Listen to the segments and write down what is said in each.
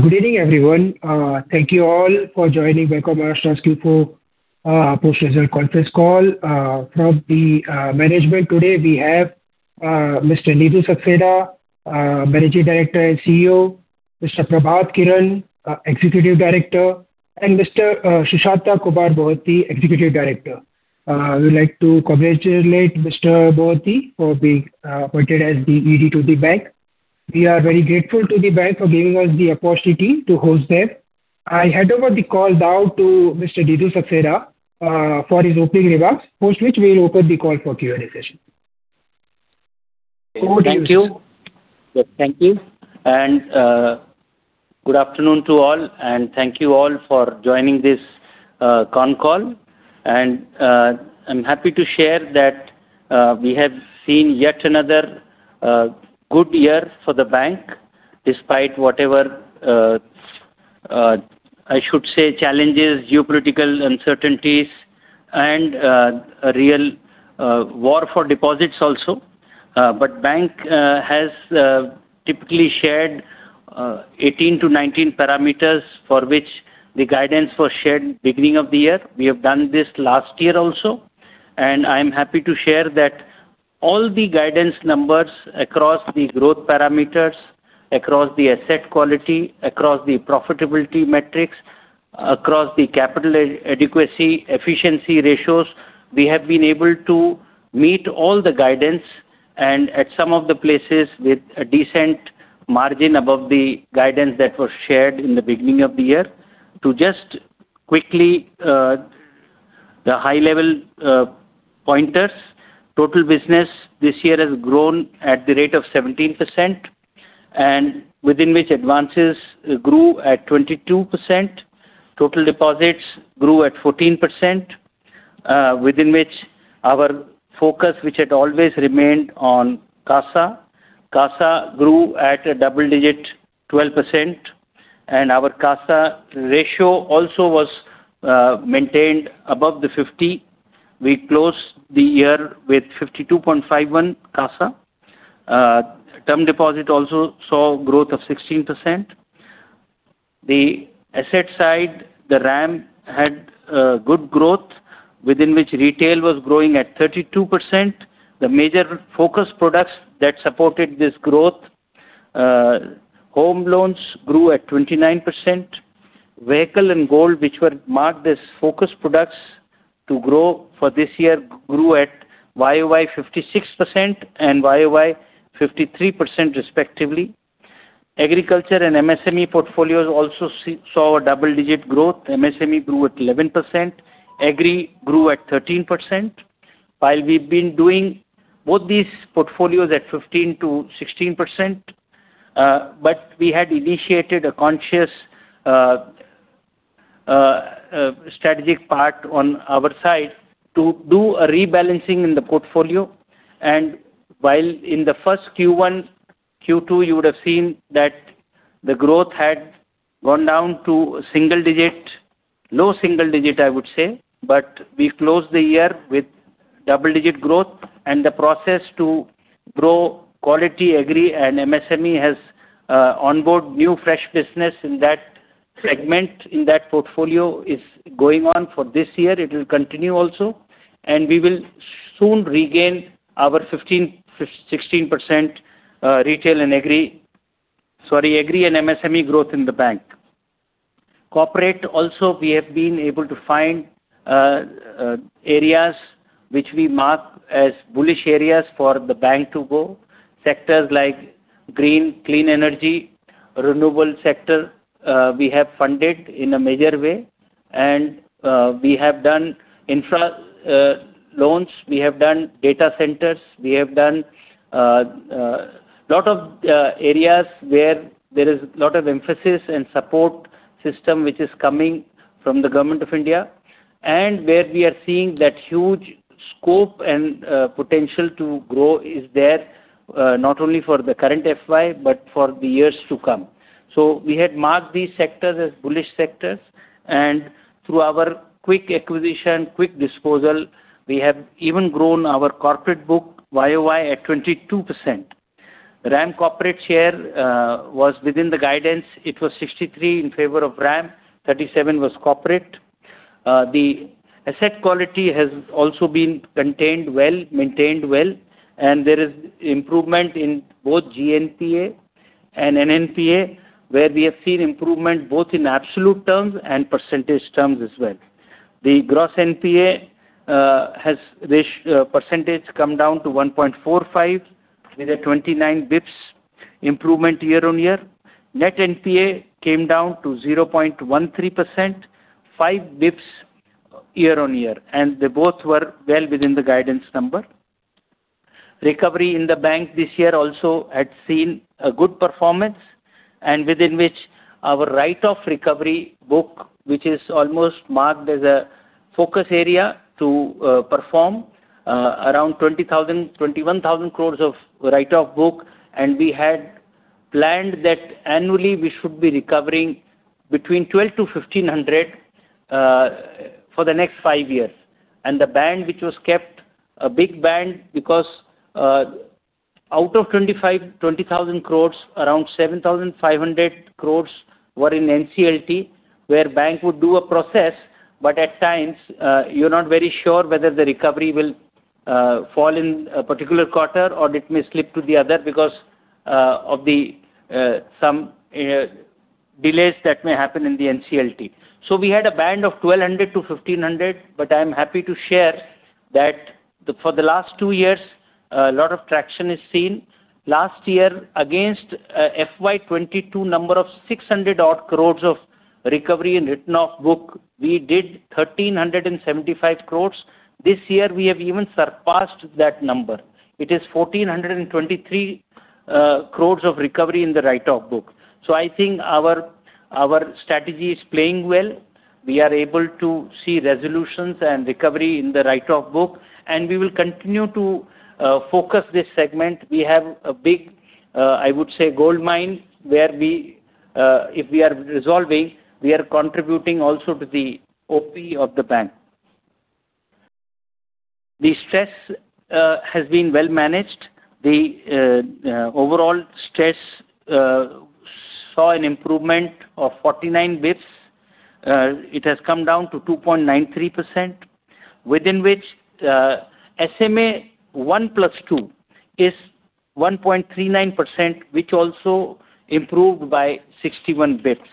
Good evening, everyone. Thank you all for joining Bank of Maharashtra's Q4 post-result conference call. From the management today we have Mr. Nidhu Saxena, Managing Director and CEO, Mr. Prabhat Kiran, Executive Director, and Mr. Sushanta Kumar Mohanty, Executive Director. We would like to congratulate Mr. Mohanty for being appointed as the ED to the bank. We are very grateful to the bank for giving us the opportunity to host this. I hand over the call now to Mr. Nidhu Saxena for his opening remarks, after which we will open the call for Q&A session. Over to you, sir. Thank you. Good afternoon to all, and thank you all for joining this con call. I'm happy to share that we have seen yet another good year for the bank, despite whatever, I should say, challenges, geopolitical uncertainties, and a real war for deposits also. Bank has typically shared 2018-2019 parameters for which the guidance was shared beginning of the year. We have done this last year also, and I am happy to share that all the guidance numbers across the growth parameters, across the asset quality, across the profitability metrics, across the capital adequacy, efficiency ratios, we have been able to meet all the guidance and at some of the places with a decent margin above the guidance that was shared in the beginning of the year. To just quickly, the high-level pointers. Total business this year has grown at the rate of 17%, and within which advances grew at 22%. Total deposits grew at 14%, within which our focus, which had always remained on CASA grew at a double-digit 12%, and our CASA ratio also was maintained above 50%. We closed the year with 52.51% CASA. Term deposit also saw growth of 16%. The asset side, the RAM had good growth, within which Retail was growing at 32%. The major focus products that supported this growth, home loans grew at 29%. Vehicle and gold, which were marked as focus products to grow for this year, grew at YoY 56% and YoY 53%, respectively. Agriculture and MSME portfolios also saw a double-digit growth. MSME grew at 11%. Agri grew at 13%. While we've been doing both these portfolios at 15%-16%, but we had initiated a conscious strategic part on our side to do a rebalancing in the portfolio. While in the first Q1, Q2, you would have seen that the growth had gone down to single digit, low single digit, I would say. We closed the year with double-digit growth and the process to grow quality Agri and MSME has onboard new fresh business in that segment, in that portfolio is going on for this year. It will continue also, and we will soon regain our 15%, 16% Agri and MSME growth in the bank. Corporate also, we have been able to find areas which we mark as bullish areas for the bank to go. Sectors like green, clean energy, renewable sector, we have funded in a major way. We have done infra loans, we have done data centers, we have done lot of areas where there is lot of emphasis and support system which is coming from the Government of India, and where we are seeing that huge scope and potential to grow is there, not only for the current FY, but for the years to come. We had marked these sectors as bullish sectors, and through our quick acquisition, quick disposal, we have even grown our corporate book YoY at 22%. RAM corporate share was within the guidance. It was 63% in favor of RAM, 37% was corporate. The asset quality has also been contained well, maintained well, and there is improvement in both GNPA and NNPA, where we have seen improvement both in absolute terms and percentage terms as well. The Gross NPA percentage has come down to 1.45% with a 29 basis points improvement year-on-year. Net NPA came down to 0.13%, 5 basis points year-on-year, and they both were well within the guidance number. Recovery in the bank this year also had seen a good performance, and within which our write-off recovery book, which is almost marked as a focus area to perform around 21,000 crores of write-off book. We had planned that annually we should be recovering between 1,200-1,500 crore for the next five years. The band, which was kept a big band because out of 25,000 crore, around 7,500 crore were in NCLT, where bank would do a process, but at times, you're not very sure whether the recovery will fall in a particular quarter or it may slip to the other because of some delays that may happen in the NCLT. We had a band of 1,200-1,500 crore, but I'm happy to share that for the last two years, a lot of traction is seen. Last year, against FY 2022 number of 600-odd crores of recovery in written-off book, we did 1,375 crores. This year we have even surpassed that number. It is 1,423 crores of recovery in the write-off book. I think our strategy is playing well. We are able to see resolutions and recovery in the write-off book, and we will continue to focus this segment. We have a big, I would say, goldmine, where if we are resolving, we are contributing also to the OP of the bank. The stress has been well managed. The overall stress saw an improvement of 49 basis points. It has come down to 2.93%, within which SMA 1 plus SMA 2 is 1.39%, which also improved by 61 basis points.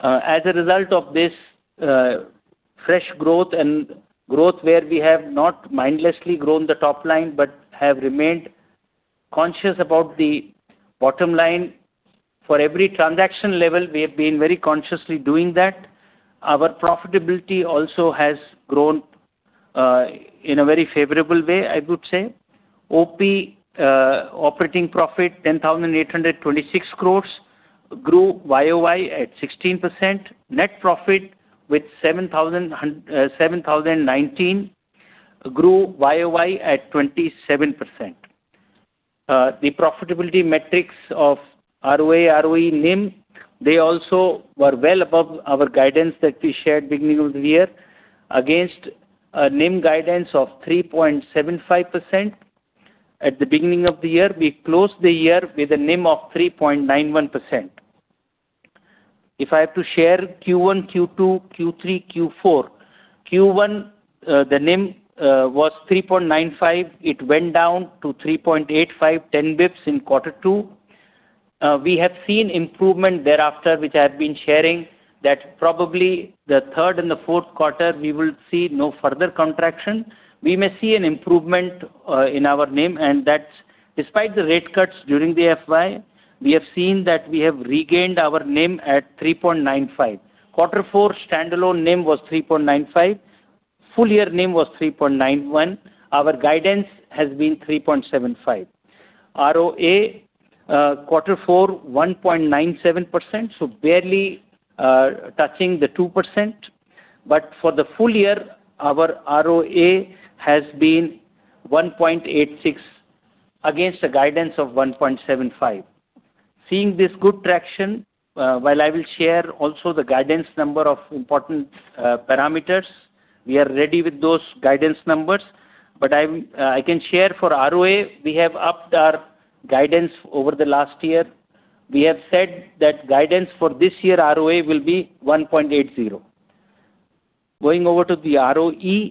As a result of this fresh growth and growth where we have not mindlessly grown the top line but have remained conscious about the bottom line. For every transaction level, we have been very consciously doing that. Our profitability also has grown, in a very favorable way, I would say. OP, operating profit 10,826 crore grew YoY at 16%. Net profit 7,019 crore grew YoY at 27%. The profitability metrics of ROA, ROE, NIM, they also were well above our guidance that we shared beginning of the year against a NIM guidance of 3.75% at the beginning of the year. We closed the year with a NIM of 3.91%. If I have to share Q1, Q2, Q3, Q4: Q1, the NIM was 3.95%. It went down to 3.85%, 10 basis points in quarter two. We have seen improvement thereafter, which I have been sharing that probably the third and the fourth quarter we will see no further contraction. We may see an improvement in our NIM, and that's despite the rate cuts during the FY. We have seen that we have regained our NIM at 3.95%. Quarter four standalone NIM was 3.95%. Full year NIM was 3.91%. Our guidance has been 3.75%. ROA, quarter four, 1.97%, so barely touching the 2%. For the full year, our ROA has been 1.86% against a guidance of 1.75%. Seeing this good traction, while I will share also the guidance number of important parameters, we are ready with those guidance numbers, but I can share for ROA, we have upped our guidance over the last year. We have said that guidance for this year ROA will be 1.80%. Going over to the ROE.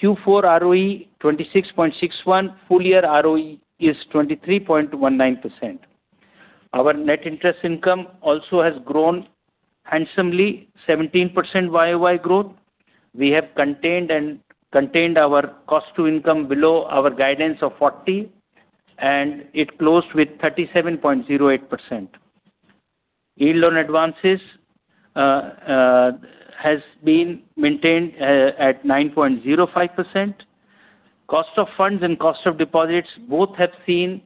Q4 ROE 26.61%. Full year ROE is 23.19%. Our Net Interest Income also has grown handsomely, 17% YoY growth. We have contained our cost to income below our guidance of 40%, and it closed with 37.08%. Yield on advances has been maintained at 9.05%. Cost of funds and cost of deposits, both have seen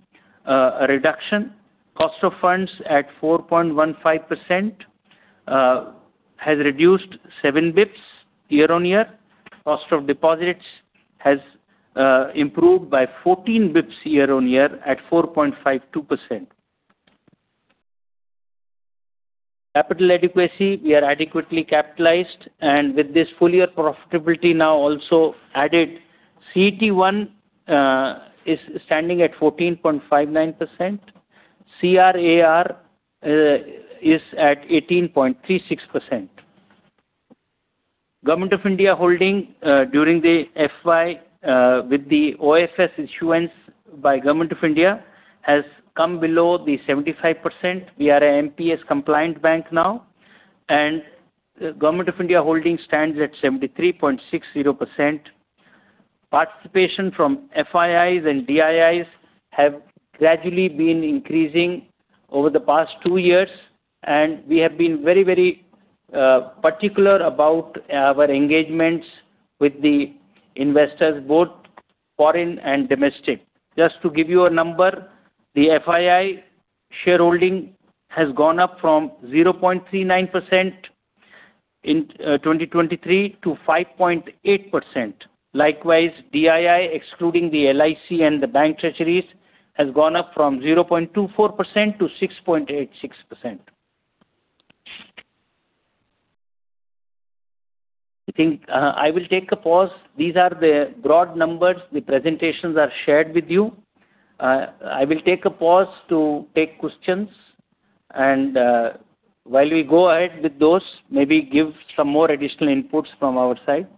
a reduction. Cost of funds at 4.15%, has reduced 7 basis points year-on-year. Cost of deposits has improved by 14 basis points year-on-year at 4.52%. Capital adequacy. We are adequately capitalized, and with this full year profitability now also added, CET1 is standing at 14.59%. CRAR is at 18.36%. Government of India holding, during the FY with the OFS issuance by Government of India has come below the 75%. We are an MPS compliant bank now, and Government of India holding stands at 73.60%. Participation from FIIs and DIIs have gradually been increasing over the past two years, and we have been very particular about our engagements with the investors, both foreign and domestic. Just to give you a number, the FII shareholding has gone up from 0.39% in 2023 to 5.8%. Likewise, DII excluding the LIC and the bank treasuries, has gone up from 0.24% to 6.86%. I think I will take a pause. These are the broad numbers. The presentations are shared with you. I will take a pause to take questions, and while we go ahead with those, maybe give some more additional inputs from our side.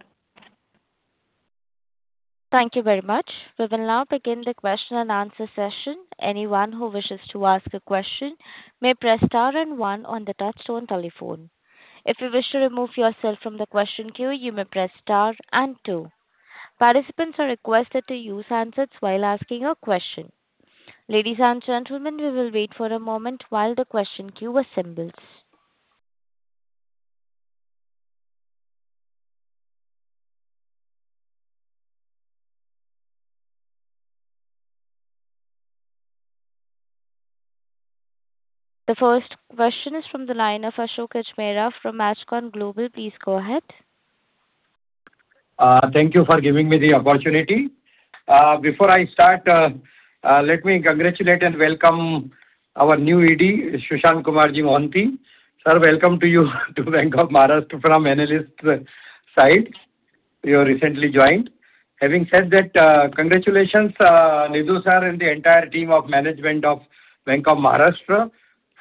Thank you very much. We will now begin the question and answer session. Anyone who wishes to ask a question may press star and one on the touch-tone telephone. If you wish to remove yourself from the question queue, you may press star and two. Participants are requested to use handsets while asking a question. Ladies and gentlemen, we will wait for a moment while the question queue assembles. The first question is from the line of Ashok Ajmera from Ajcon Global. Please go ahead. Thank you for giving me the opportunity. Before I start, let me congratulate and welcome our new ED, Sushanta Kumar Mohanty. Sir, welcome to you, to Bank of Maharashtra from analyst side. You have recently joined. Having said that, congratulations, Nidhu Sir, and the entire team of management of Bank of Maharashtra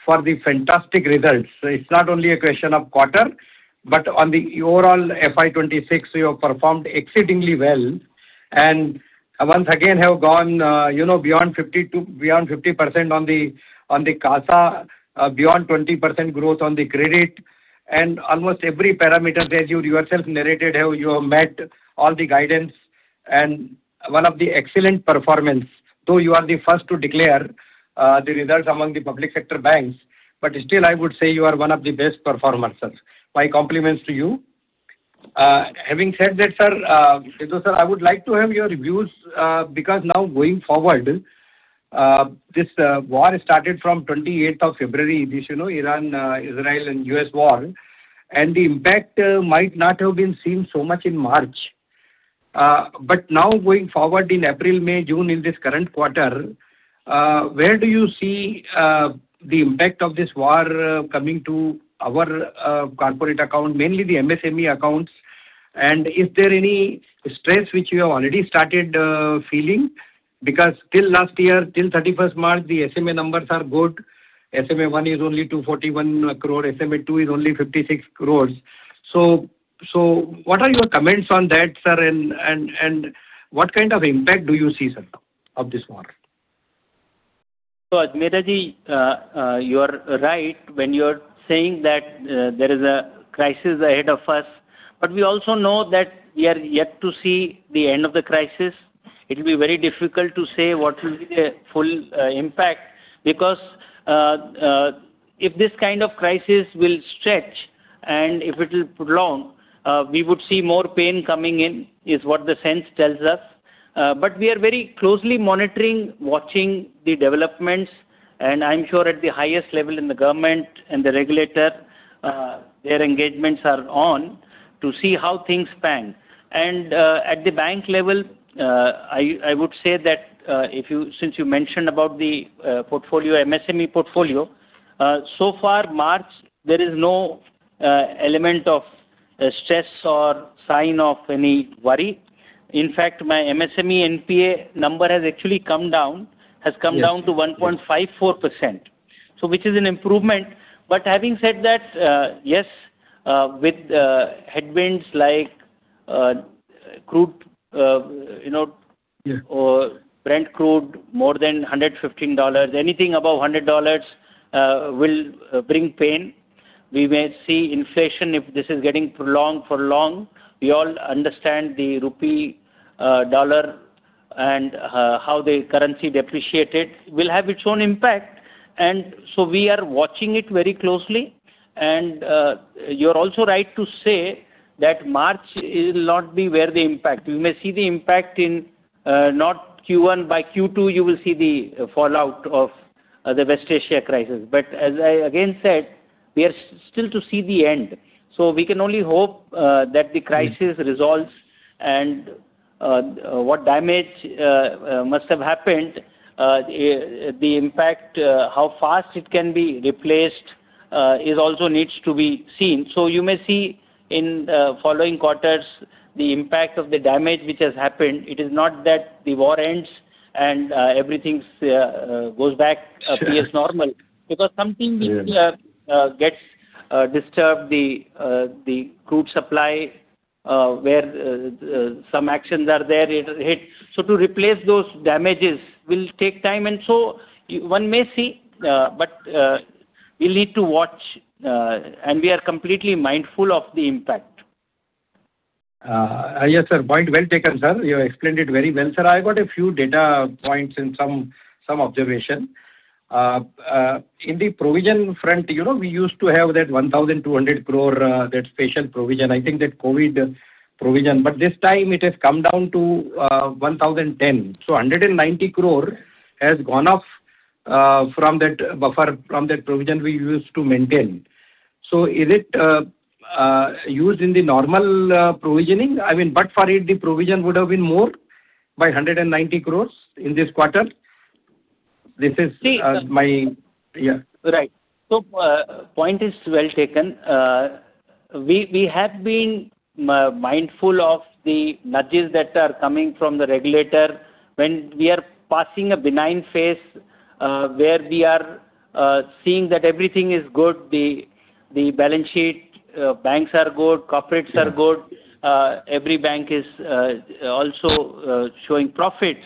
for the fantastic results. It's not only a question of quarter, but on the overall FY 2026, you have performed exceedingly well. Once again, have gone beyond 50% on the CASA, beyond 20% growth on the credit, and almost every parameter that you yourself narrated how you have met all the guidance, and one of the excellent performance. Though you are the first to declare the results among the public sector banks, but still, I would say you are one of the best performers, sir. My compliments to you. Having said that, Nidhu Sir, I would like to have your views because now going forward, this war started from 28th of February, Iran, Israel, and U.S. war. The impact might not have been seen so much in March. Now going forward in April, May, June in this current quarter, where do you see the impact of this war coming to our corporate account, mainly the MSME accounts? Is there any stress which you have already started feeling? Because till last year, till 31st March, the SMA numbers are good. SMA 1 is only 241 crore, SMA 2 is only 56 crores. What are your comments on that, sir, and what kind of impact do you see, sir, of this war? Admittedly, you are right when you are saying that there is a crisis ahead of us, but we also know that we are yet to see the end of the crisis. It will be very difficult to say what will be the full impact because, if this kind of crisis will stretch and if it will prolong, we would see more pain coming in, is what the sense tells us. We are very closely monitoring, watching the developments, and I'm sure at the highest level in the government and the regulator, their engagements are on to see how things pan out. At the bank level, I would say that since you mentioned about the MSME portfolio, so far March, there is no element of stress or sign of any worry. In fact, my MSME NPA number has actually come down. Yes... has come down to 1.54%, which is an improvement. Having said that, yes, with headwinds like Brent crude, more than $115, anything above $100, will bring pain. We may see inflation if this is getting prolonged for long. We all understand the rupee, dollar, and how the currency depreciated will have its own impact. We are watching it very closely. You're also right to say that March will not be where the impact. We may see the impact not in Q1. By Q2, you will see the fallout of the West Asia crisis. As I again said, we are still to see the end. We can only hope that the crisis resolves and what damage must have happened, the impact, how fast it can be replaced, it also needs to be seen. You may see in the following quarters the impact of the damage which has happened. It is not that the war ends and everything goes back Sure ...appears normal. Because something [we've seen here], gets disturbed, the crude supply, where some actions are there, it hits. To replace those damages will take time, and so one may see. We'll need to watch, and we are completely mindful of the impact. Yes, sir. Point well taken, sir. You explained it very well, sir. I got a few data points and some observation. In the provision front, we used to have that 1,200 crore, that special provision. I think that COVID provision. This time it has come down to 1,010. 190 crore has gone off from that buffer, from that provision we used to maintain. Is it used in the normal provisioning? But for it, the provision would have been more by 190 crore in this quarter? This is my... Right. Point is well taken. We have been mindful of the nudges that are coming from the regulator. When we are passing a benign phase where we are seeing that everything is good, the balance sheet, banks are good, corporates are good, every bank is also showing profits.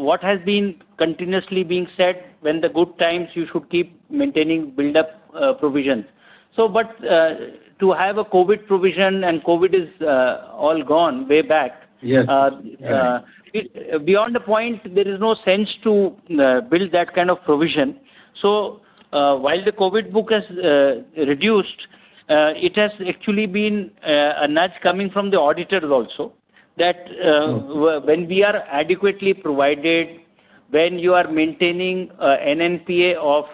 What has been continuously being said, when the good times you should keep maintaining build-up provisions. To have a COVID provision and COVID is all gone way back. Yes. Beyond a point, there is no sense to build that kind of provision. While the COVID book has reduced, it has actually been a nudge coming from the auditors also that when we are adequately provided, when you are maintaining NNPA of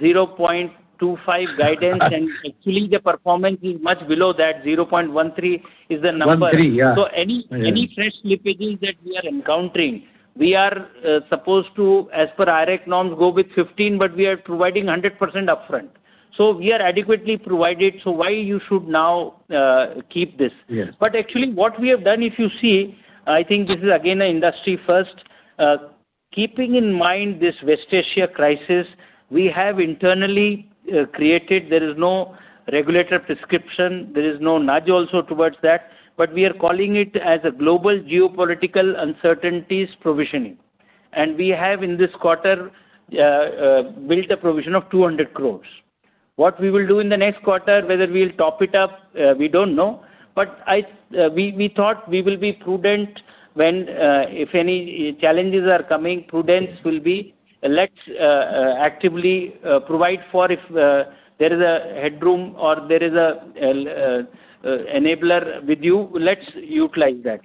0.25 guidance and actually the performance is much below that, 0.13 is the number. 0.13, yeah. Any fresh slippages that we are encountering, we are supposed to, as per IRAC norms, go with 15%, but we are providing 100% upfront. We are adequately provided, so why you should now keep this? Yes. Actually what we have done, if you see, I think this is again an industry first. Keeping in mind this West Asia crisis, we have internally created. There is no regulatory prescription, there is no nudge also towards that, but we are calling it as a global geopolitical uncertainties provisioning. We have in this quarter built a provision of 200 crore. What we will do in the next quarter, whether we'll top it up, we don't know. We thought we will be prudent when if any challenges are coming, prudence will be let's actively provide for if there is a headroom or there is an enabler with you, let's utilize that.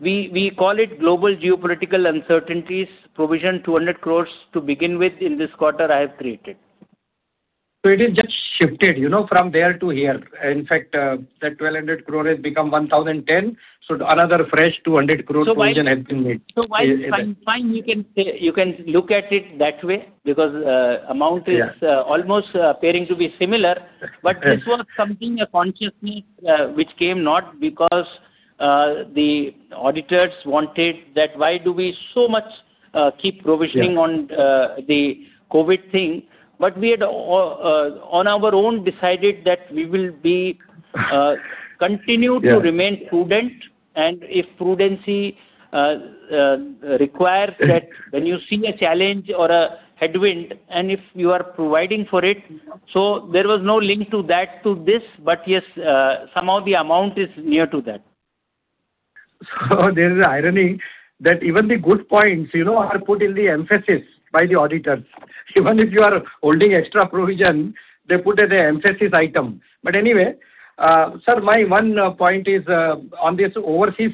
We call it global geopolitical uncertainties provision 200 crore to begin with in this quarter I have created. It is just shifted from there to here. In fact, that 1,200 crore has become 1,010. Another fresh 200 crore provision has been made. While fine, you can look at it that way because amount is almost appearing to be similar. This was something, a consciousness which came not because the auditors wanted that why do we so much keep provisioning on the COVID thing, but we had on our own decided that we will continue to remain prudent and if prudence requires that when you see a challenge or a headwind and if you are providing for it, there was no link to that to this. Yes, somehow the amount is near to that. There is an irony that even the good points are put in the emphasis by the auditors. Even if you are holding extra provision, they put as an emphasis item. Anyway, sir, my one point is on this Overseas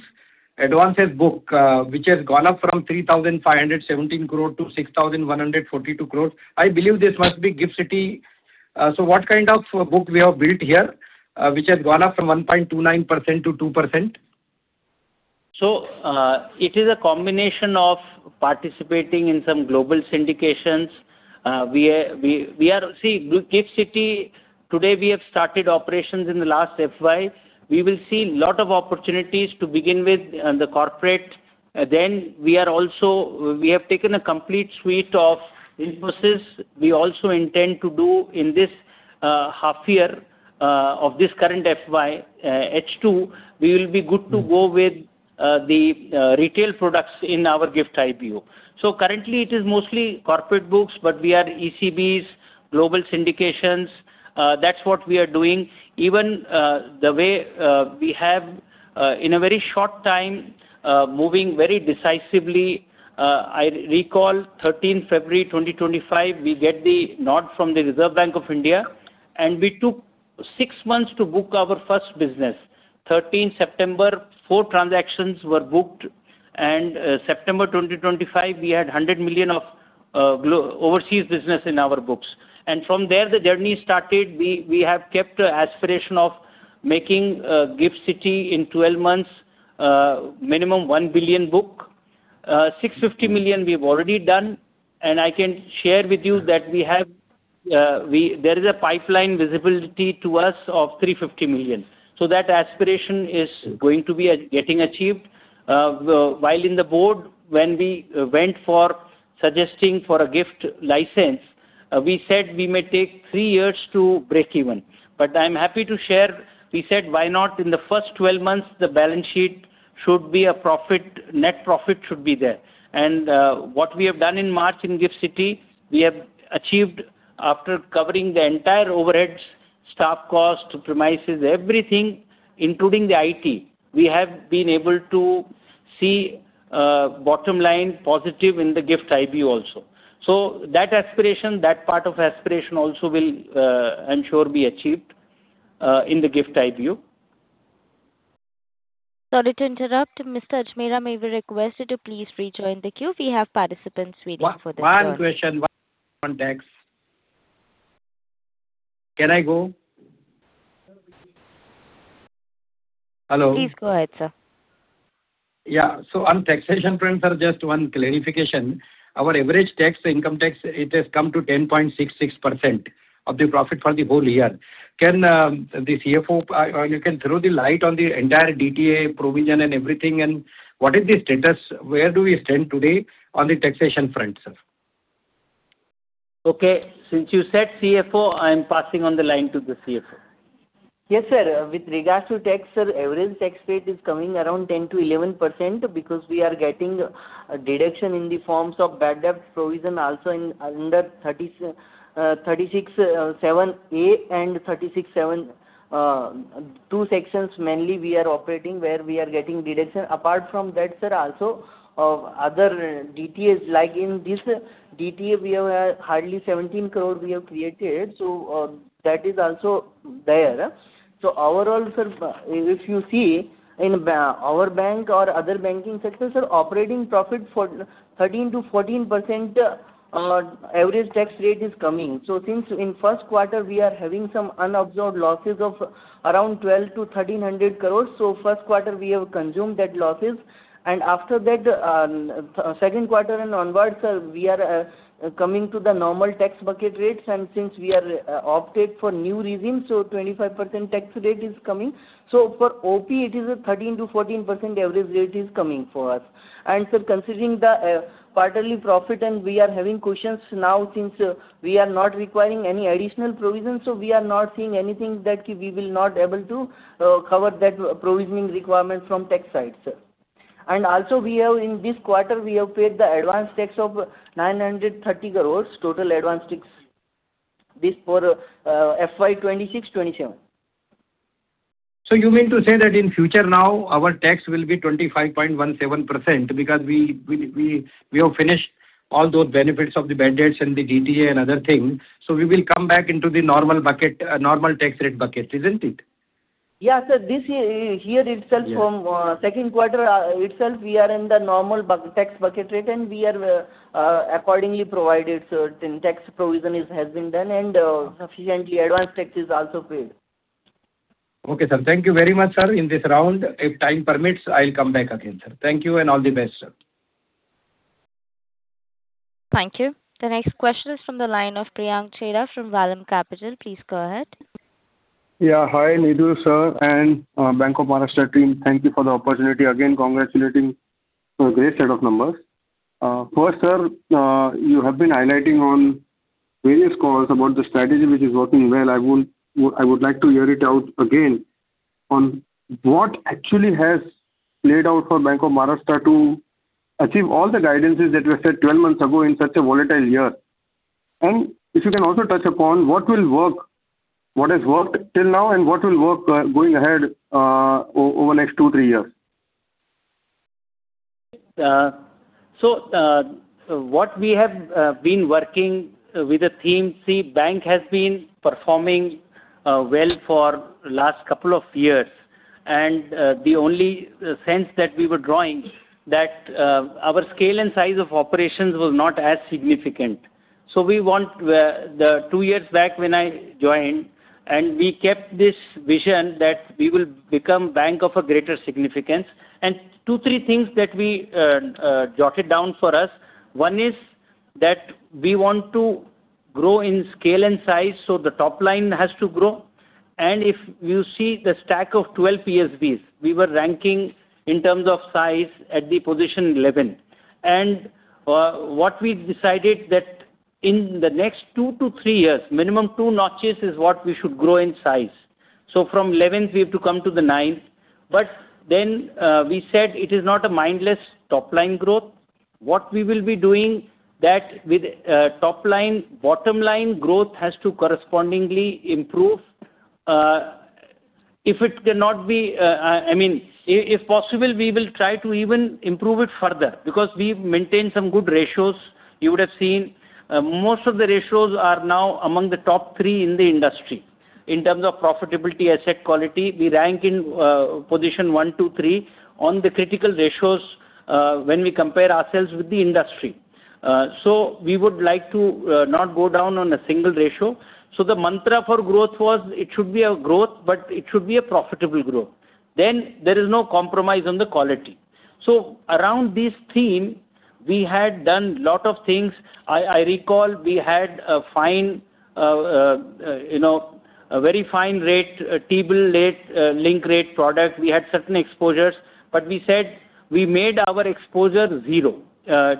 Advances book, which has gone up from 3,517 crore to 6,142 crore. I believe this must be GIFT City. What kind of book we have built here, which has gone up from 1.29%-2%? It is a combination of participating in some global syndications. See, GIFT City today we have started operations in the last FY. We will see lot of opportunities to begin with the corporate. Then we have taken a complete suite of Infosys. We also intend to do in this half year of this current FY, H2, we will be good to go with the Retail products in our GIFT IBU. Currently it is mostly corporate books, but we are ECBs, global syndications, that's what we are doing. Even the way we have in a very short time, moving very decisively. I recall 13 February 2025, we get the nod from the Reserve Bank of India, and we took six months to book our first business. 13 September, four transactions were booked, and September 2025, we had $100 million of overseas business in our books. From there the journey started. We have kept the aspiration of making GIFT City in 12 months minimum $1 billion book. $650 million we've already done. I can share with you that there is a pipeline visibility to us of $350 million. That aspiration is going to be getting achieved. While in the board, when we went for suggesting for a GIFT license, we said we may take three years to break even. But I'm happy to share, we said why not in the first 12 months, the balance sheet should be a profit, net profit should be there. What we have done in March in GIFT City, we have achieved after covering the entire overheads, staff costs, premises, everything, including the IT, we have been able to see bottom line positive in the GIFT IBU also. that aspiration, that part of aspiration also will, I'm sure be achieved, in the GIFT IBU. Sorry to interrupt. Mr. Ajmera, may we request you to please rejoin the queue. We have participants waiting for this call. One question, one text. Can I go? Hello. Please go ahead, sir. Yeah. On taxation front, sir, just one clarification. Our average tax, the income tax, it has come to 10.66% of the profit for the whole year. Can the CFO, or you can throw the light on the entire DTA provision and everything, and what is the status? Where do we stand today on the taxation front, sir? Okay. Since you said CFO, I am passing on the line to the CFO. Yes, sir. With regards to tax, sir, average tax rate is coming around 10%-11% because we are getting a deduction in the form of bad debt provision also under Section 36(1)(viia) and Section 36(1)(vii). Two Sections, mainly we are operating where we are getting deduction. Apart from that, sir, also, other DTAs, like in this DTA, we have hardly 17 crore we have created, so that is also there. Overall, sir, if you see in our bank or other banking sectors are operating profit for 13%-14% average tax rate is coming. Since in first quarter we are having some unabsorbed losses of around 1,200-1,300 crore. First quarter we have consumed that losses. After that, second quarter and onwards, sir, we are coming to the normal tax bracket rates and since we are opted for new regime, 25% tax rate is coming. For OP, it is a 13%-14% average rate is coming for us. Sir, considering the quarterly profit and we are having cushions now since we are not requiring any additional provision, we are not seeing anything that we will not able to cover that provisioning requirement from tax side, sir. Also, in this quarter, we have paid the advance tax of 930 crore, total advance tax. This for FY 2026-2027. You mean to say that in future now our tax will be 25.17% because we have finished all those benefits of the bad debts and the DTA and other things, so we will come back into the normal tax rate bucket, isn't it? Yeah, sir. This year itself. Yeah From second quarter itself, we are in the normal tax bucket rate, and we are accordingly provided, sir. Tax provision has been done and sufficiently advance tax is also paid. Okay, sir. Thank you very much, sir. In this round, if time permits, I'll come back again, sir. Thank you and all the best, sir. Thank you. The next question is from the line of Priyank Chheda from Vallum Capital. Please go ahead. Yeah. Hi, Nidhu, sir, and Bank of Maharashtra team. Thank you for the opportunity. Again, congratulating for a great set of numbers. First, sir, you have been highlighting on various calls about the strategy which is working well. I would like to hear it out again on what actually has played out for Bank of Maharashtra to achieve all the guidances that were said 12 months ago in such a volatile year. If you can also touch upon what will work, what has worked till now, and what will work going ahead over the next two, three years. What we have been working with the team. See, the bank has been performing well for the last couple of years, and the only sense that we were lacking that our scale and size of operations was not as significant. Two years back when I joined, and we kept this vision that we will become a bank of a greater significance. Two, three things that we jotted down for us, one is, that we want to grow in scale and size, so the top line has to grow. If you see the stack of 12 PSBs, we were ranking in terms of size at the position 11. What we decided that in the next two to three years, minimum two notches is what we should grow in size. From 11th, we have to come to the 9th. We said it is not a mindless top-line growth. What we will be doing that with top line, bottom line growth has to correspondingly improve. If possible, we will try to even improve it further because we've maintained some good ratios. You would have seen most of the ratios are now among the top three in the industry. In terms of profitability, asset quality, we rank in position one to three on the critical ratios when we compare ourselves with the industry. We would like to not go down on a single ratio. The mantra for growth was it should be a growth, but it should be a profitable growth. There is no compromise on the quality. Around this theme, we had done lot of things. I recall we had a very fine rate, T-bill linked rate product. We had certain exposures, but we said we made our exposure zero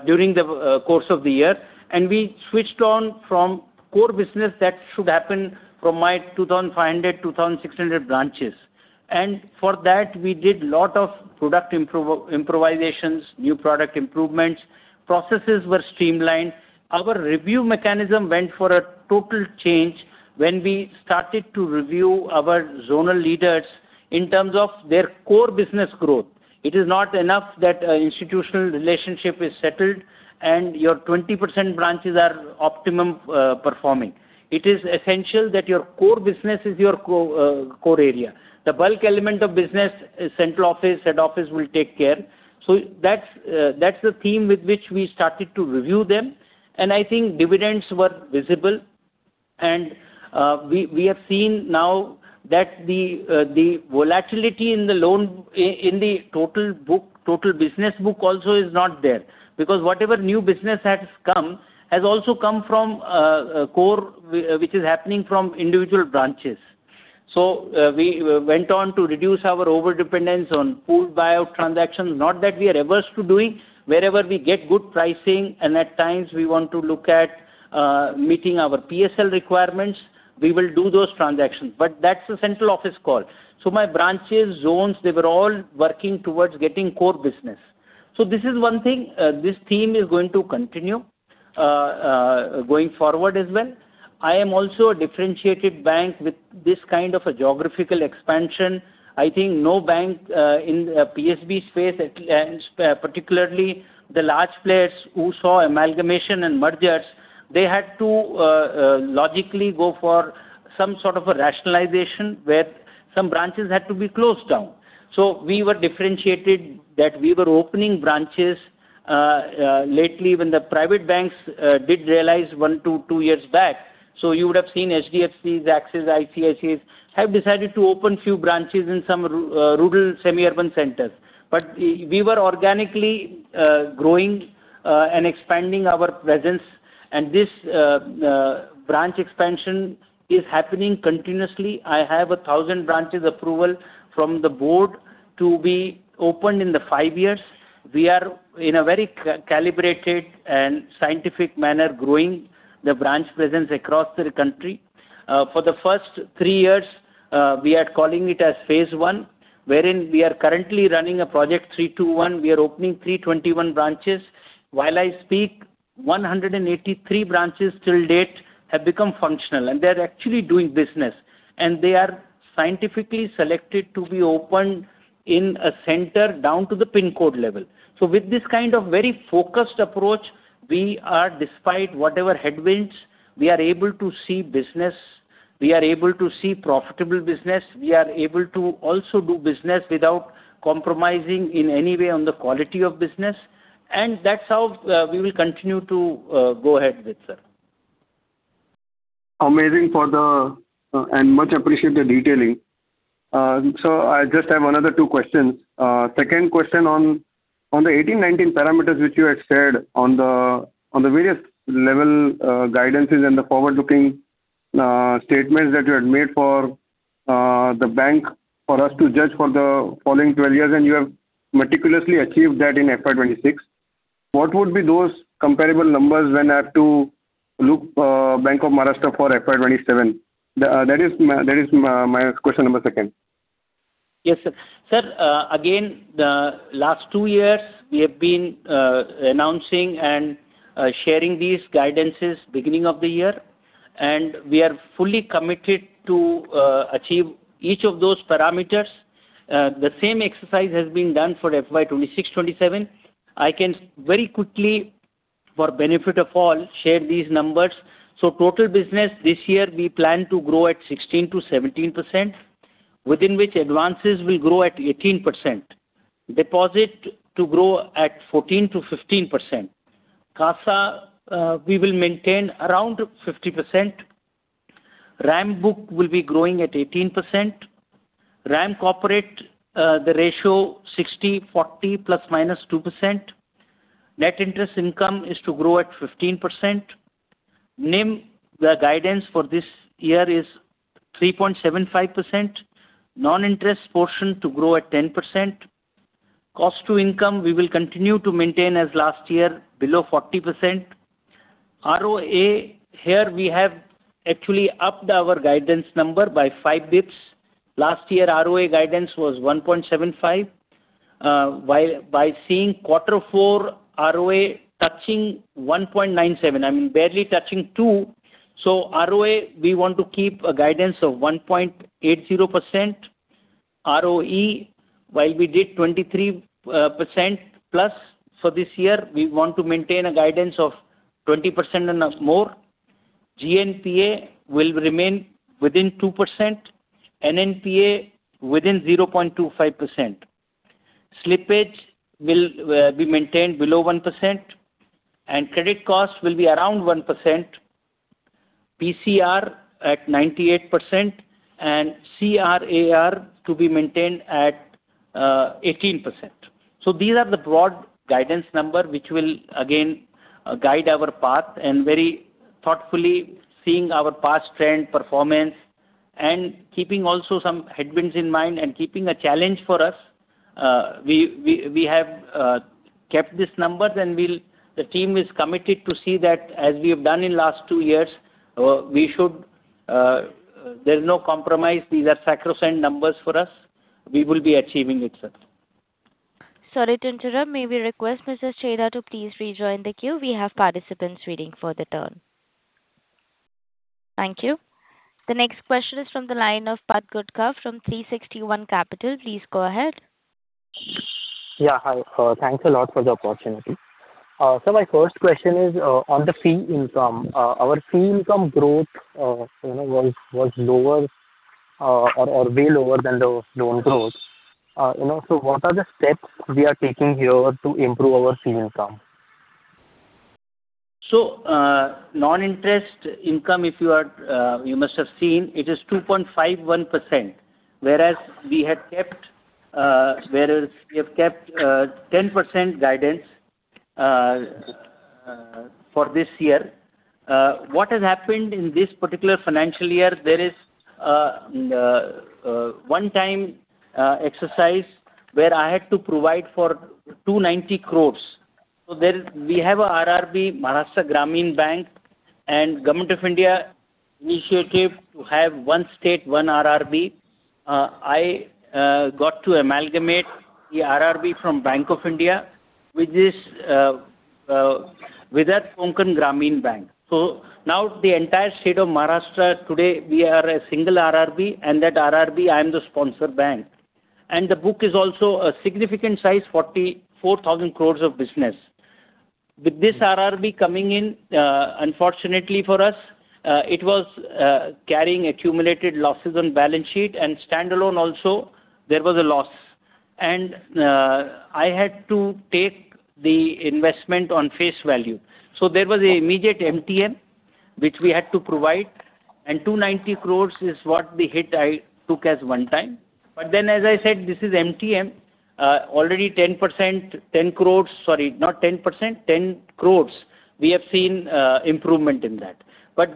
during the course of the year, and we switched on from core business that should happen from my 2,500, 2,600 branches. For that, we did lot of product improvisations, new product improvements. Processes were streamlined. Our review mechanism went for a total change when we started to review our Zonal Leaders in terms of their core business growth. It is not enough that institutional relationship is settled and your 20% branches are optimum performing. It is essential that your core business is your core area. The bulk element of business, central office, head office will take care. That's the theme with which we started to review them, and I think dividends were visible. We have seen now that the volatility in the total business book also is not there. Because whatever new business has come, has also come from core, which is happening from individual branches. We went on to reduce our overdependence on pool buyout transactions. Not that we are averse to doing. Wherever we get good pricing, and at times we want to look at meeting our PSL requirements, we will do those transactions. That's the central office call. My branches, zones, they were all working towards getting core business. This is one thing. This theme is going to continue going forward as well. I am also a differentiated bank with this kind of a geographical expansion. I think no bank in PSB space, particularly the large players who saw amalgamation and mergers, they had to logically go for some sort of a rationalization, where some branches had to be closed down. We were differentiated that we were opening branches lately when the private banks did realize one to two years back. You would have seen HDFC, Axis, ICICI have decided to open few branches in some rural, semi-urban centers. We were organically growing and expanding our presence, and this branch expansion is happening continuously. I have 1,000 branches approval from the board to be opened in the five years. We are in a very calibrated and scientific manner growing the branch presence across the country. For the first three years, we are calling it as Phase 1, wherein we are currently running a Project 321. We are opening 321 branches. While I speak, 183 branches till date have become functional, and they're actually doing business. They are scientifically selected to be opened in a center down to the PIN code level. With this kind of very focused approach, despite whatever headwinds, we are able to see business, we are able to see profitable business, we are able to also do business without compromising in any way on the quality of business. That's how we will continue to go ahead with, sir. Amazing, and much appreciated detailing. I just have another two questions. Second question on the 2018, 2019 parameters, which you had shared on the various level guidances and the forward-looking statements that you had made for the bank for us to judge for the following 12 years, and you have meticulously achieved that in FY 2026. What would be those comparable numbers when I have to look Bank of Maharashtra for FY 2027? That is my question number second. Yes, sir. Sir, again, the last two years we have been announcing and sharing these guidances beginning of the year, and we are fully committed to achieve each of those parameters. The same exercise has been done for FY 2026-2027. I can very quickly, for benefit of all, share these numbers. Total business this year, we plan to grow at 16%-17%, within which advances will grow at 18%. Deposit to grow at 14%-15%. CASA, we will maintain around 50%. RAM Book will be growing at 18%. RAM Corporate, the ratio 60/40, ±2%. Net Interest Income is to grow at 15%. NIM, the guidance for this year is 3.75%. Non-Interest portion to grow at 10%. Cost to income, we will continue to maintain as last year, below 40%. ROA, here we have actually upped our guidance number by 5 basis points. Last year, ROA guidance was 1.75%. By seeing quarter four ROA touching 1.97%, I mean, barely touching 2%. ROA, we want to keep a guidance of 1.80%. ROE, while we did 23%+, so this year, we want to maintain a guidance of 20% and more. GNPA will remain within 2%, NNPA within 0.25%. Slippage will be maintained below 1%, and credit costs will be around 1%. PCR at 98%, and CRAR to be maintained at 18%. These are the broad guidance number, which will again guide our path and very thoughtfully seeing our past trend performance and keeping also some headwinds in mind and keeping a challenge for us. We have kept these numbers and the team is committed to see that as we have done in last two years. There's no compromise. These are sacrosanct numbers for us. We will be achieving it, sir. Sorry to interrupt. May we request Mr. Chheda to please rejoin the queue. We have participants waiting for the turn. Thank you. The next question is from the line of Parth Gudka from 360 ONE Capital. Please go ahead. Yeah, hi. Thanks a lot for the opportunity. Sir, my first question is on the fee income. Our fee income growth was lower or way lower than the loan growth. What are the steps we are taking here to improve our fee income? Non-Interest Income, you must have seen, it is 2.51%, whereas we have kept 10% guidance for this year. What has happened in this particular financial year, there is a one-time exercise where I had to provide for 290 crore. We have RRB, Maharashtra Gramin Bank, and Government of India initiative to have one state, one RRB. I got to amalgamate the RRB from Bank of India with that Konkan Gramin Bank. Now the entire state of Maharashtra today, we are a single RRB, and that RRB, I am the sponsor bank. The book is also a significant size, 44,000 crore of business. With this RRB coming in, unfortunately for us, it was carrying accumulated losses on balance sheet, and standalone also, there was a loss. I had to take the investment on face value. There was an immediate MTM, which we had to provide, and 290 crore is what the hit I took as one time. As I said, this is MTM. Already 10 crore, we have seen improvement in that.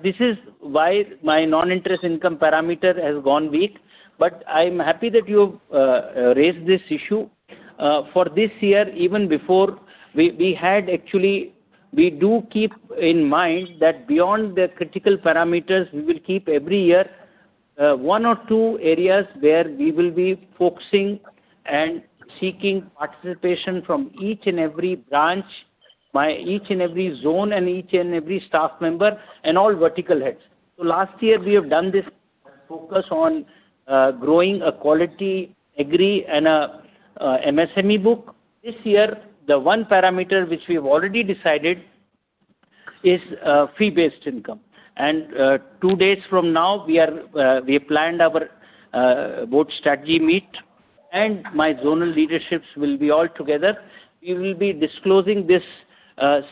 This is why my Non-Interest Income parameter has gone weak. I'm happy that you raised this issue. For this year, even before, we do keep in mind that beyond the critical parameters, we will keep every year one or two areas where we will be focusing and seeking participation from each and every branch, each and every zone, and each and every staff member, and all vertical heads. Last year, we have done this focus on growing a quality Agri and a MSME book. This year, the one parameter which we've already decided is fee-based income. Two days from now, we have planned our board strategy meet, and my Zonal Leaderships will be all together. We will be disclosing this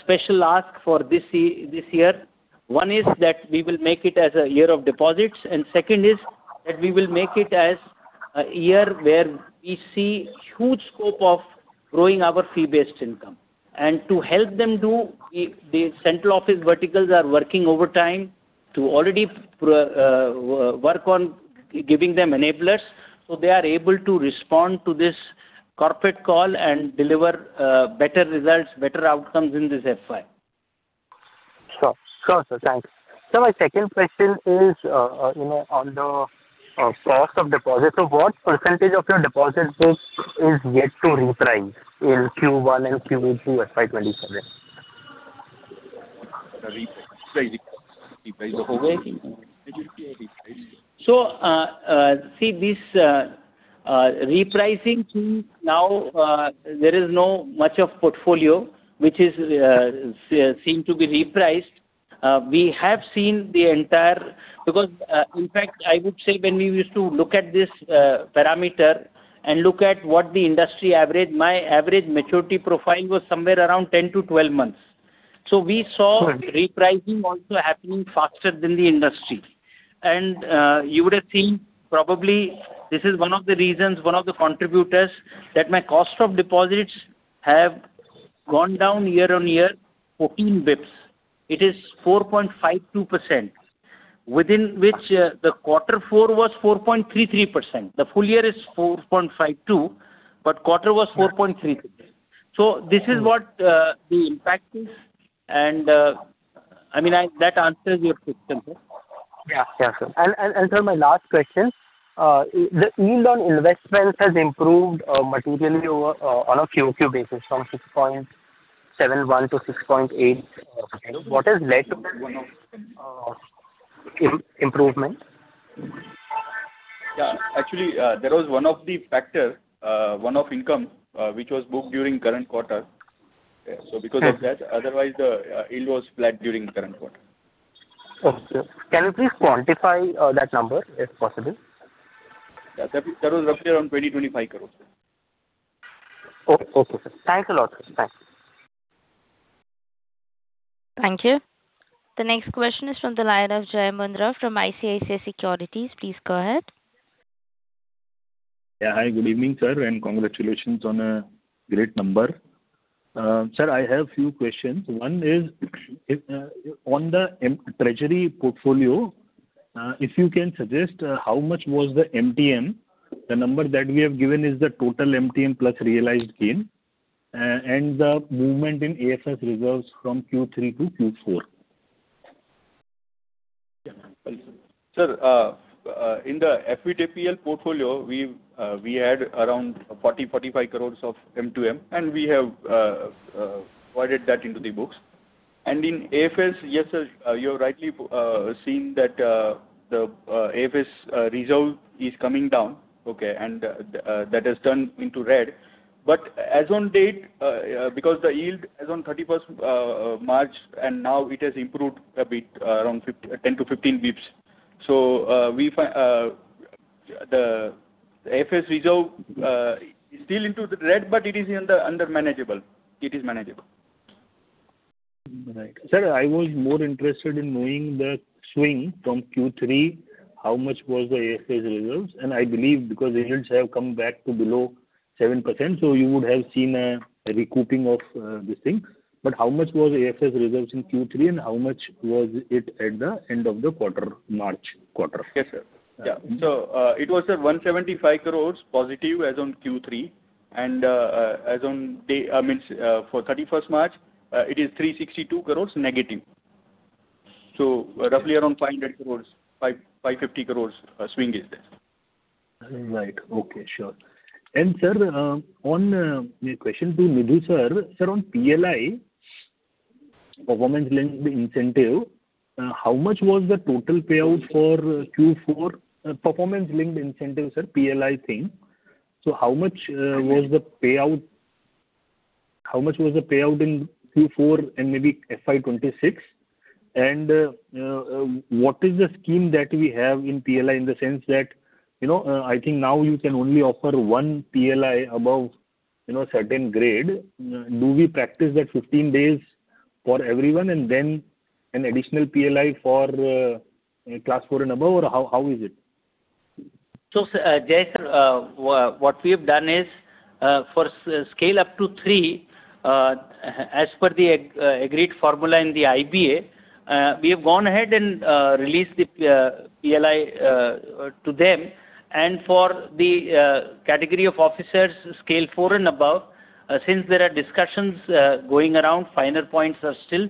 special arc for this year. One is that we will make it as a year of deposits, and second is that we will make it as a year where we see huge scope of growing our fee-based income. To help them do, the central office verticals are working overtime to already work on giving them enablers, so they are able to respond to this corporate call and deliver better results, better outcomes in this FY. Sure. Sir, thanks. Sir, my second question is on the cost of deposit. What percentage of your deposit book is yet to reprice in Q1 and Q2 FY 2027? Reprice. See, this repricing now, there is not much of portfolio which seem to be repriced. We have seen the entire. Because, in fact, I would say when we used to look at this parameter and look at what the industry average, my average maturity profile was somewhere around 10-12 months. We saw repricing also happening faster than the industry. You would have seen probably this is one of the reasons, one of the contributors that my cost of deposits have gone down year-on-year, 14 basis points. It is 4.52%, within which the quarter four was 4.33%. The full year is 4.52%, but quarter was 4.33%. This is what the impact is, and that answers your question. Yeah. Sure. Sir, my last question. The yield on investments has improved materially on a QoQ basis from 6.71%-6.8%. What has led to that improvement? Actually, there was one of the factor, one of income, which was booked during current quarter. Because of that. Otherwise, it was flat during the current quarter. Okay. Can you please quantify that number if possible? That was roughly around 20-25 crore. Okay. Sir. Thanks a lot, sir. Thanks. Thank you. The next question is from the line of Jai Mundhra from ICICI Securities. Please go ahead. Hi, good evening, sir, and congratulations on a great number. Sir, I have few questions. One is on the treasury portfolio, if you can suggest how much was the MTM. The number that we have given is the total MTM plus realized gain, and the movement in AFS reserves from Q3 to Q4. Sir, in the FVTPL portfolio, we had around 40-45 crores of MTM, and we have provided that into the books. In AFS, yes, sir, you have rightly seen that the AFS reserve is coming down, okay, and that has turned into red. As on date, because the yield as on 31st March, and now it has improved a bit, around 10-15 basis points. The AFS reserve is still into the red, but it is manageable. Right. Sir, I was more interested in knowing the swing from Q3, how much was the AFS reserves? I believe because the yields have come back to below 7%, so you would have seen a recouping of this thing. How much was the AFS reserves in Q3, and how much was it at the end of the March quarter? Yes, sir. It was at 175 crores positive as on Q3, and as on 31st March, it is -362 crores. Roughly around 500 crores, 550 crores swing is there. Right. Okay, sure. Sir, one question to Nidhu, sir. Sir, on PLI, Performance Linked Incentive, how much was the total payout for Q4? Performance Linked Incentive, sir, PLI thing. How much was the payout in Q4 and maybe FY 2026? What is the scheme that we have in PLI in the sense that, I think now you can only offer one PLI above certain grade. Do we practice that 15 days for everyone and then an additional PLI for class four and above? Or how is it? Jai sir, what we have done is for scale up to three, as per the agreed formula in the IBA, we have gone ahead and released the PLI to them and for the Category of Officers, Scale IV and above, since there are discussions going around, final points are still.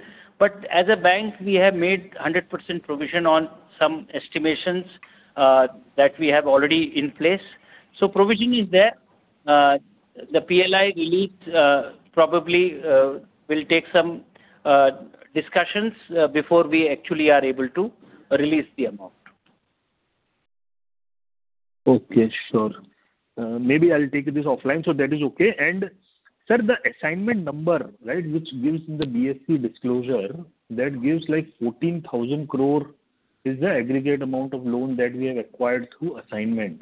As a bank, we have made 100% provision on some estimations that we have already in place. Provision is there. The PLI release probably will take some discussions before we actually are able to release the amount. Okay, sure. Maybe I'll take this offline, so that is okay. Sir, the assignment number, which gives the Basel III disclosure, that gives like 14,000 crore is the aggregate amount of loan that we have acquired through assignment.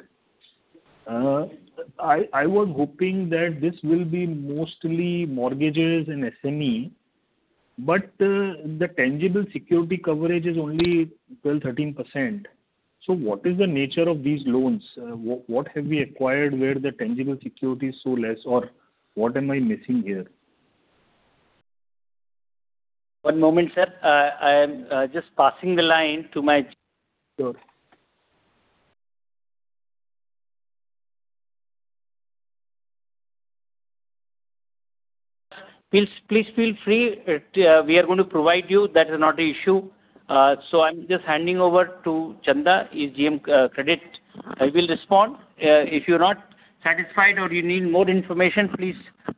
I was hoping that this will be mostly mortgages and SME, but the tangible security coverage is only 12%-13%. What is the nature of these loans? What have we acquired where the tangible security is so less, or what am I missing here? One moment, sir. I am just passing the line to my... Sure. Please feel free. We are going to provide you. That is not an issue. I'm just handing over to Chanda, he's GM, Credit. He will respond. If you're not satisfied or you need more information, please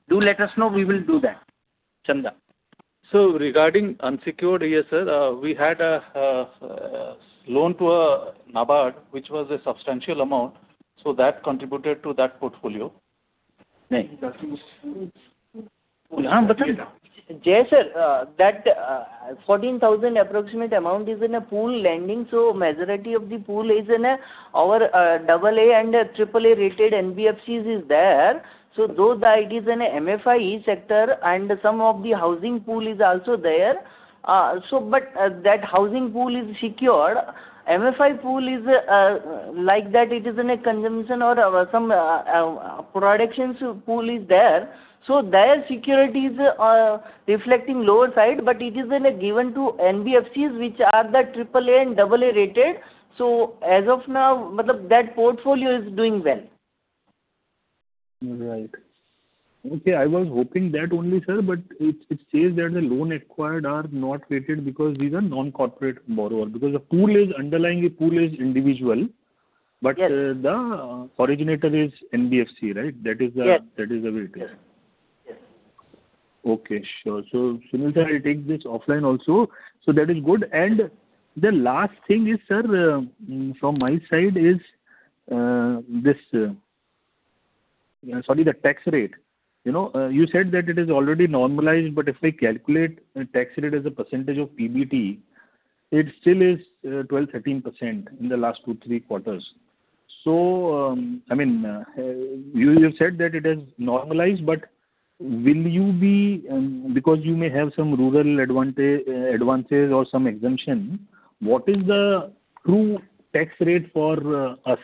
do let us know. We will do that. Chanda. Regarding unsecured, yes sir, we had a loan to NABARD, which was a substantial amount, so that contributed to that portfolio. Jai, sir, that approximately 14,000 amount is in a pool lending. Majority of the pool is in our AA and AAA rated NBFCs. Though that it is in a MFI sector and some of the housing pool is also there. That housing pool is secured. MFI pool is like that it is in a consumption or some productions pool. Their security is on the lower side, but it is given to NBFCs, which are the AAA and AA-rated. As of now, that portfolio is doing well. Right. Okay. I was hoping that only, sir, but it says that the loans acquired are not rated because these are non-corporate borrowers, because the underlying pool is individuals. Yes. The originator is NBFC, right? Yes. That is the way it is. Yes. Okay, sure. Sunil sir, I'll take this offline also. That is good. The last thing is, sir, from my side is the tax rate. You said that it is already normalized, but if we calculate tax rate as a percentage of PBT, it still is 12%-13% in the last 2-3 quarters. You said that it is normalized, but because you may have some rural advances or some exemption, what is the true tax rate for us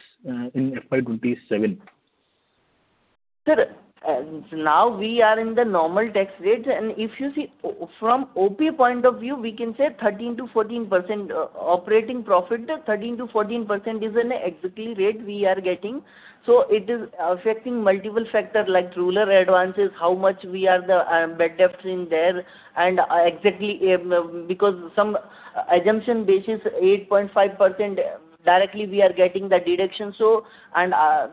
in FY 2027? Sir, now we are in the normal tax rates, and if you see from OP point of view, we can say 13%-14% Operating Profit. That 13%-14% is an exact rate we are getting. It is affecting multiple factors like rural advances, how much we have bad debts in there, and tax because some assumption basis, 8.5% directly we are getting the deduction. The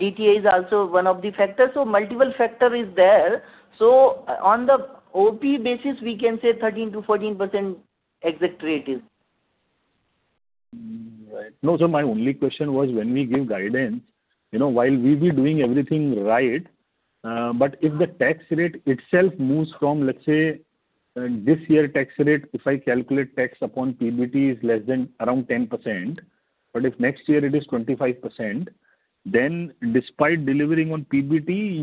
DTA is also one of the factors. Multiple factors are there. On the OP basis, we can say 13%-14% exact rate is. No, sir, my only question was when we give guidance, while we'll be doing everything right, but if the tax rate itself moves from, let's say, this year tax rate, if I calculate tax upon PBT is less than around 10%, but if next year it is 25%, then despite delivering on PBT,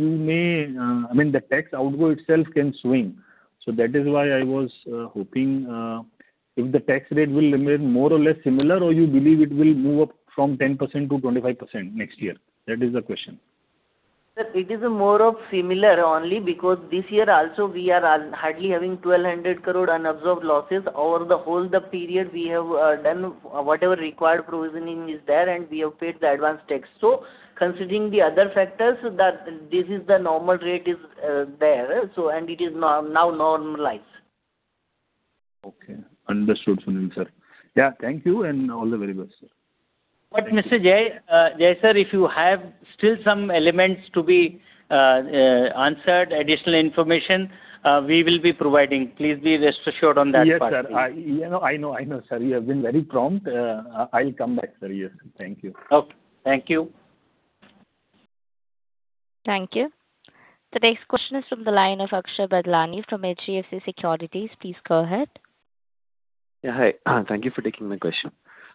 the tax outflow itself can swing. That is why I was hoping if the tax rate will remain more or less similar, or you believe it will move up from 10% to 25% next year? That is the question. Sir, it is more of similar only because this year also we are hardly having 1,200 crore unabsorbed losses. Over the whole period, we have done whatever required provisioning is there, and we have paid the advance tax. Considering the other factors, this is the normal rate there, and it is now normalized. Okay. Understood, Sunil, sir. Yeah. Thank you and all the very best, sir. Mr. Jai, Jai, sir, if you have still some elements to be answered, additional information, we will be providing. Please be rest assured on that part. Yes, sir. I know, sir. You have been very prompt. I'll come back, sir. Yes. Thank you. Okay. Thank you. Thank you. The next question is from the line of Akshay Badlani from HDFC Securities. Please go ahead. Yeah. Hi. Thank you for taking my question.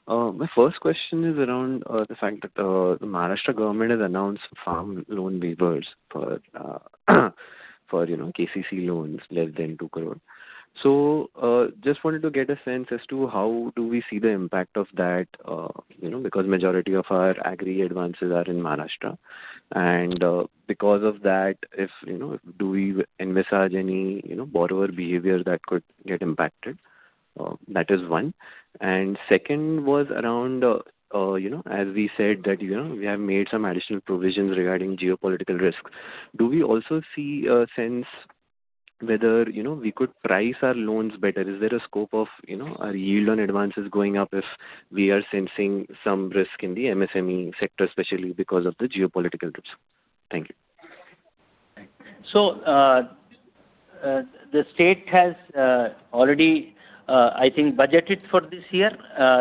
My first question is around the fact that the Maharashtra government has announced farm loan waivers for KCC loans less than 2 crore. Just wanted to get a sense as to how do we see the impact of that because majority of our Agri advances are in Maharashtra. Because of that, do we envisage any borrower behavior that could get impacted? That is one. Second was around, as we said that we have made some additional provisions regarding geopolitical risk. Do we also see a sense whether we could price our loans better? Is there a scope of our yield on advances going up if we are sensing some risk in the MSME sector, especially because of the geopolitical risks? Thank you. The state has already, I think, budgeted for this year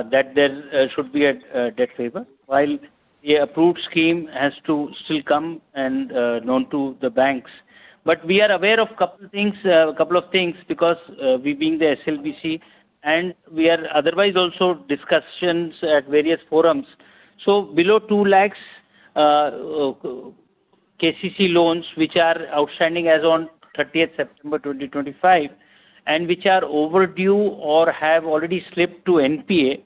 that there should be a debt waiver while the approved scheme has to still come and known to the banks. We are aware of couple of things because we being the SLBC, and we are otherwise also discussions at various forums. Below 2 lakhs KCC loans, which are outstanding as on 30th September 2025 and which are overdue or have already slipped to NPA,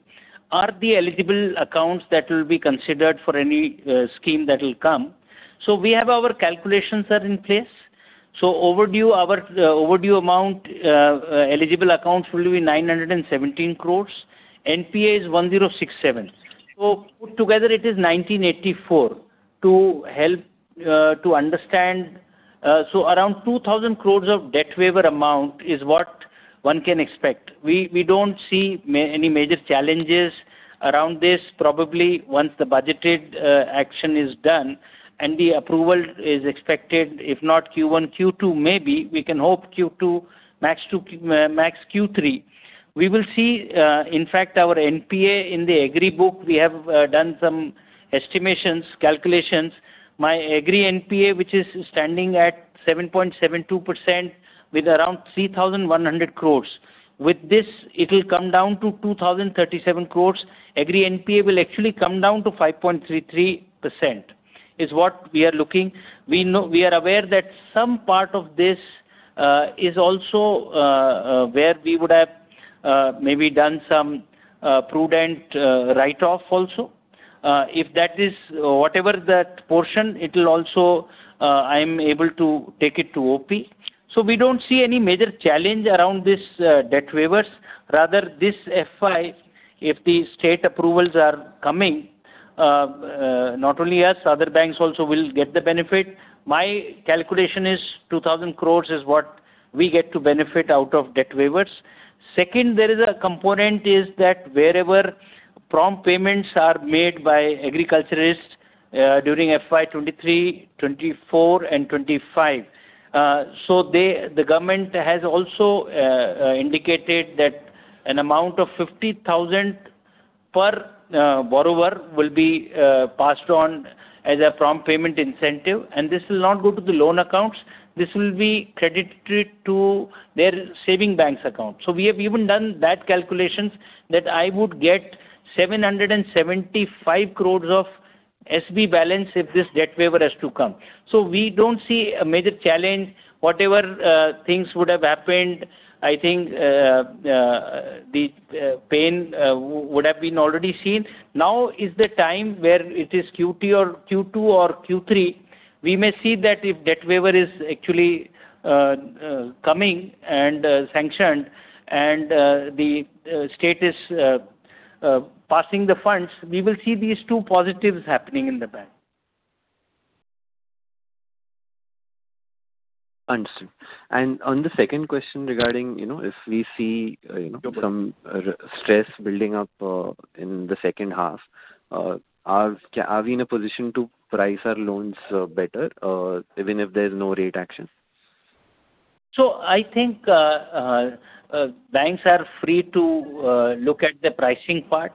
are the eligible accounts that will be considered for any scheme that will come. We have our calculations in place. Our overdue amount eligible accounts will be 917 crores. NPA is 1,067 crores. Put together it is 1,984 crores. To understand, around 2,000 crores of debt waiver amount is what one can expect. We don't see any major challenges around this. Probably once the budgeted action is done and the approval is expected, if not Q1, Q2, maybe we can hope Q2, max Q3. We will see. In fact, our NPA in the Agri Book, we have done some estimations, calculations. My Agri NPA, which is standing at 7.72% with around 3,100 crore. With this, it will come down to 2,037 crore. Agri NPA will actually come down to 5.33%, is what we are looking. We are aware that some part of this is also where we would have maybe done some prudent write-off also. Whatever that portion, I am able to take it to OP. We don't see any major challenge around this debt waivers. Rather, this FY, if the state approvals are coming, not only us, other banks also will get the benefit. My calculation is 2,000 crore is what we get to benefit out of debt waivers. Second, there is a component that wherever prompt payments are made by Agriculturists during FY 2023, 2024 and 2025. The government has also indicated that an amount of 50,000 per borrower will be passed on as a prompt payment incentive, and this will not go to the loan accounts. This will be credited to their savings bank account. We have even done those calculations that I would get 775 crore of SB balance if this debt waiver has to come. We don't see a major challenge. Whatever things would have happened, I think the pain would have been already seen. Now is the time where it is Q2 or Q3, we may see that if debt waiver is actually coming and sanctioned and the state is passing the funds, we will see these two positives happening in the bank. Understood. On the second question regarding if we see some stress building up in the second half, are we in a position to price our loans better even if there is no rate action? I think banks are free to look at the pricing part.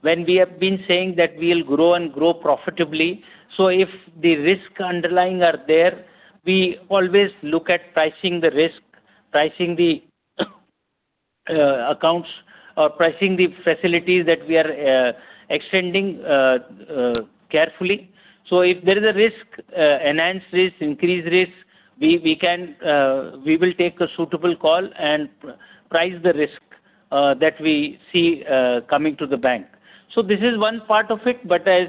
When we have been saying that we'll grow and grow profitably, so if the risk underlying are there, we always look at pricing the risk, pricing the accounts or pricing the facilities that we are extending carefully. If there is a risk, enhanced risk, increased risk, we will take a suitable call and price the risk that we see coming to the bank. This is one part of it, but as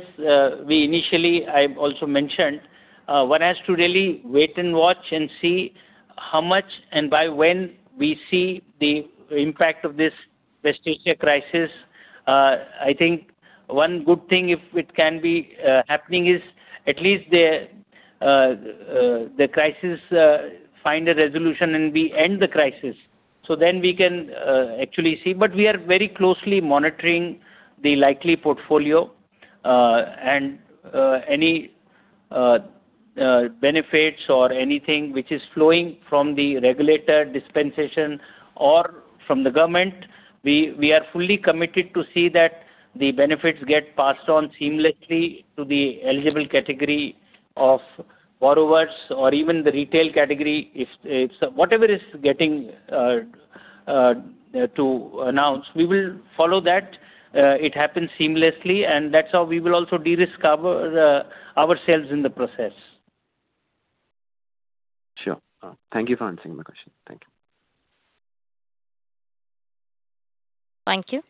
we initially, I also mentioned, one has to really wait and watch and see how much and by when we see the impact of this West Asia crisis. I think one good thing, if it can be happening, is at least the crisis finds a resolution, and we end the crisis. Then we can actually see. We are very closely monitoring the likely portfolio. Any benefits or anything which is flowing from the regulatory dispensation or from the government, we are fully committed to see that the benefits get passed on seamlessly to the eligible category of borrowers or even the Retail category. Whatever is getting announced, we will follow that it happens seamlessly, and that's how we will also de-risk ourselves in the process. Sure. Thank you for answering my question. Thank you. Thank you.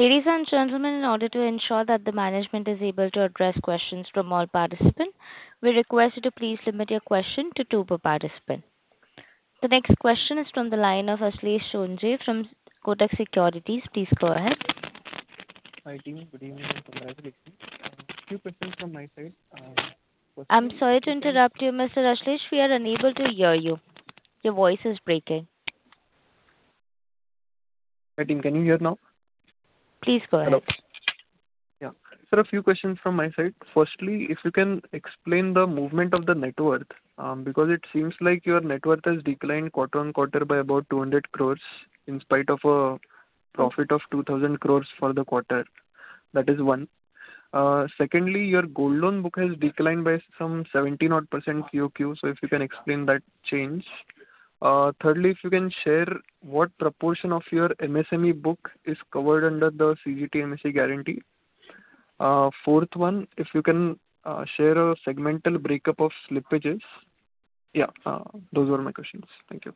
Ladies and gentlemen, in order to ensure that the management is able to address questions from all participants, we request you to please limit your question to two per participant. The next question is from the line of Ashlesh Sonje from Kotak Securities. Please go ahead. Hi, team. Good evening and congratulations. A few questions from my side. I'm sorry to interrupt you, Mr. Ashlesh. We are unable to hear you. Your voice is breaking. Hi, team. Can you hear now? Please go ahead. Sir, a few questions from my side. Firstly, if you can explain the movement of the net worth, because it seems like your net worth has declined quarter-on-quarter by about 200 crore in spite of a profit of 2,000 crore for the quarter. That is one. Secondly, your gold loan book has declined by some 70%-odd QoQ, so if you can explain that change. Thirdly, if you can share what proportion of your MSME book is covered under the CGTMSE guarantee. Fourth one, if you can share a segmental breakup of slippages. Yeah. Those were my questions. Thank you.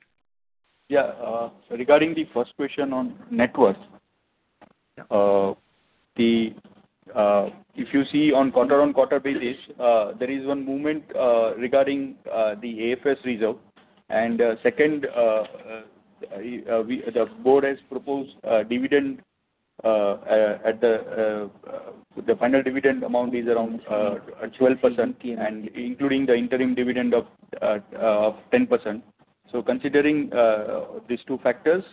Yeah. Regarding the first question on net worth. Yeah. If you see on quarter-on-quarter basis, there is one movement regarding the AFS reserve. Second, the board has proposed a dividend. The final dividend amount is around 12%, and including the interim dividend of 10%. Considering these two factors,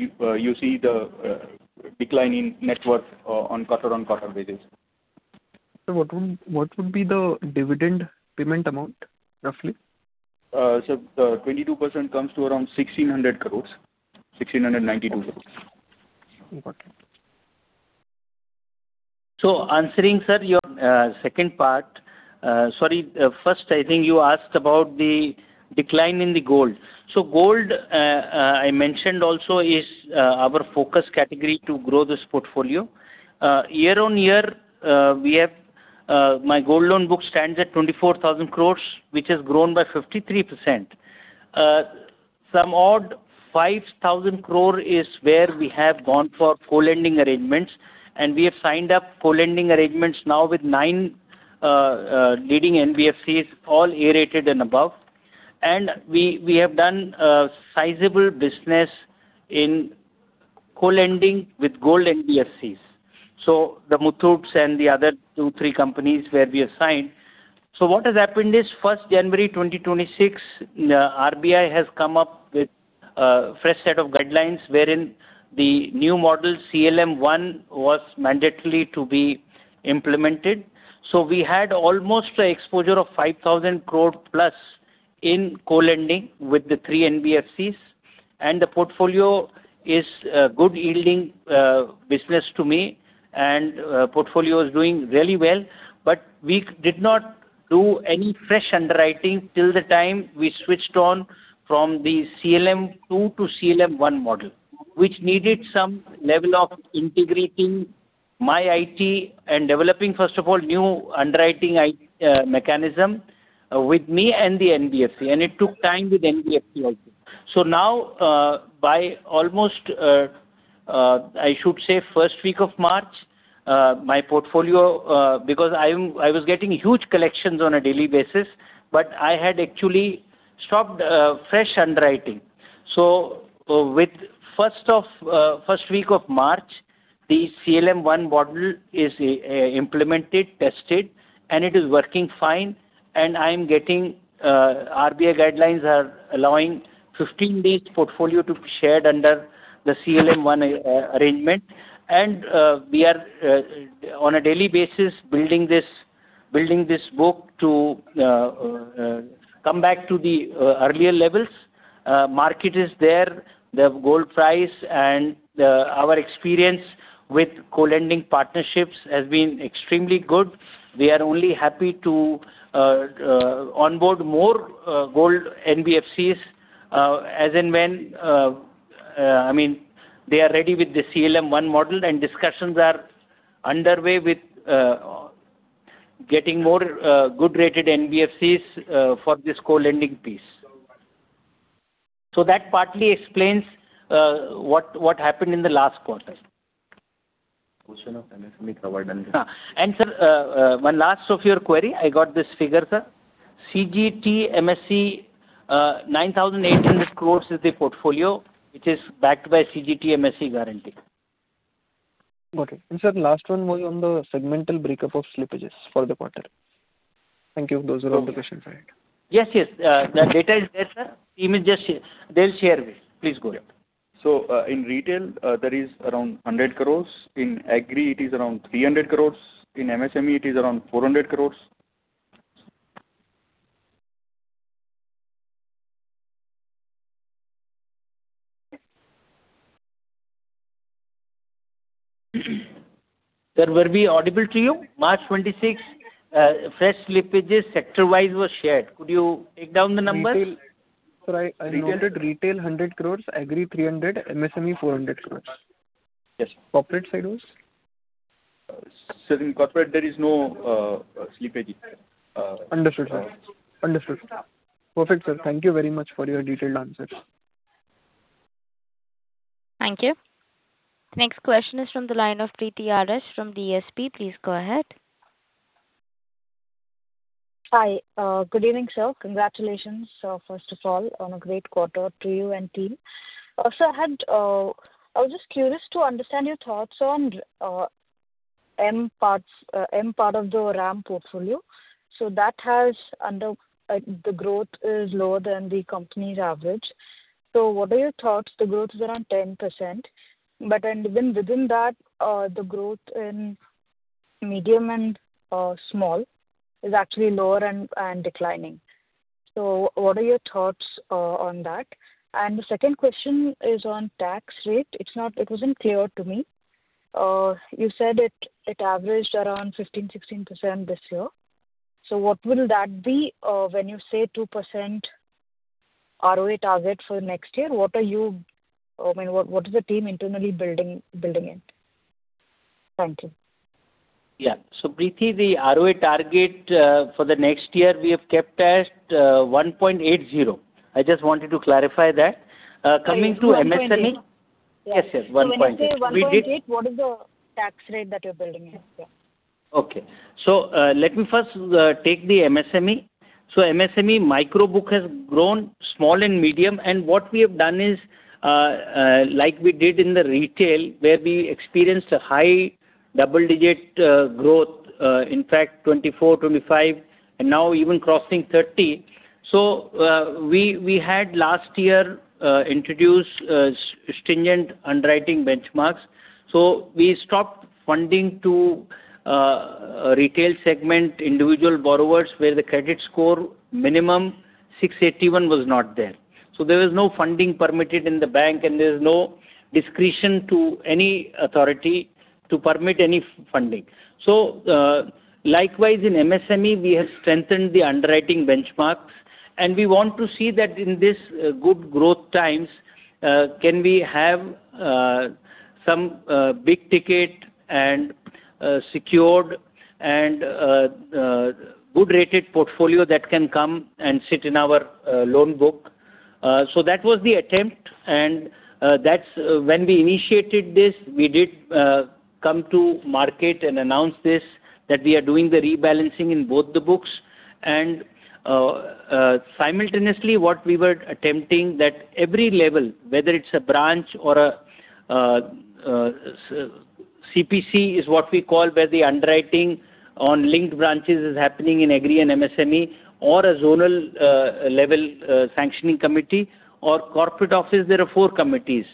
you see the decline in net worth on quarter-on-quarter basis. Sir, what would be the dividend payment amount, roughly? The 22% comes to around 1,600 crores. 1,692 crores. Okay. Answering, sir, your second part. Sorry, first, I think you asked about the decline in the gold. Gold, I mentioned also is our focus category to grow this portfolio. Year-on-year, my gold loan book stands at 24,000 crores, which has grown by 53%. Some odd 5,000 crore is where we have gone for co-lending arrangements, and we have signed up co-lending arrangements now with nine leading NBFCs, all A-rated and above. We have done a sizable business in co-lending with gold NBFCs. The Muthoot and the other two, three companies where we have signed. What has happened is, from January 2026, RBI has come up with a fresh set of guidelines wherein the new model CLM-1 was mandatorily to be implemented. We had almost an exposure of 5,000+ crore in co-lending with the three NBFCs, and the portfolio is a good yielding business to me, and portfolio is doing really well. We did not do any fresh underwriting till the time we switched on from the CLM-2 to CLM-1 model, which needed some level of integrating my IT and developing, first of all, new underwriting mechanism with me and the NBFC. It took time with NBFC also. Now, by almost, I should say first week of March, my portfolio, because I was getting huge collections on a daily basis, but I had actually stopped fresh underwriting. With first week of March, the CLM-1 model is implemented, tested, and it is working fine. I am getting, RBI guidelines are allowing 15 days portfolio to be shared under the CLM-1 arrangement. We are on a daily basis building this book to come back to the earlier levels. Market is there. The gold price and our experience with co-lending partnerships has been extremely good. We are only happy to onboard more Gold NBFCs as and when they are ready with the CLM-1 model and discussions are underway with getting more good rated NBFCs for this co-lending piece. That partly explains what happened in the last quarter. Question of MSME covered. Sir, one last of your query, I got this figure, sir. CGTMSE 9,800 crores is the portfolio, which is backed by CGTMSE guarantee. Okay. Sir, last one was on the segmental breakup of slippages for the quarter. Thank you. Those are all the questions I had. Yes. The data is there, sir. Team will just share. They'll share with you. Please go ahead. In Retail, there is around 100 crores. In Agri, it is around 300 crores. In MSME, it is around 400 crores. Sir, were we audible to you? March 26, fresh slippages sector-wise were shared. Could you take down the numbers? Retail 100 crores, Agri 300, MSME 400 crores. Yes. Corporate side was? Sir, in corporate, there is no slippage. Understood, sir. Perfect, sir. Thank you very much for your detailed answers. Thank you. Next question is from the line of Preethi RS from DSP. Please go ahead. Hi. Good evening, sir. Congratulations, first of all, on a great quarter to you and team. Sir, I was just curious to understand your thoughts on M part of the RAM portfolio. That has, the growth is lower than the company's average. What are your thoughts? The growth is around 10%, but then even within that, the growth in medium and small is actually lower and declining. What are your thoughts on that? The second question is on tax rate. It wasn't clear to me. You said it averaged around 15%, 16% this year. What will that be when you say 2% ROA target for next year? What is the team internally building in? Thank you. Yeah. Preethi, the ROA target for the next year we have kept as 1.80%. I just wanted to clarify that. Coming to MSME- Sorry, 20? Yes. 1.8. When you say 1.80%, what is the tax rate that you're building in? Okay. Let me first take the MSME. MSME micro book has grown, small and medium, and what we have done is like we did in the Retail where we experienced a high double-digit growth, in fact, 24%, 25% and now even crossing 30%. We had last year introduced stringent underwriting benchmarks. We stopped funding to Retail segment individual borrowers where the credit score minimum 681 was not there. There was no funding permitted in the bank and there's no discretion to any authority to permit any funding. Likewise in MSME, we have strengthened the underwriting benchmarks, and we want to see that in this good growth times, can we have some big-ticket and secured and good-rated portfolio that can come and sit in our loan book. That was the attempt and when we initiated this, we did come to market and announce this, that we are doing the rebalancing in both the books. Simultaneously what we were attempting that every level, whether it's a branch or a CPC, is what we call where the underwriting on linked branches is happening in Agri and MSME or a Zonal level sanctioning committee or corporate office, there are four committees,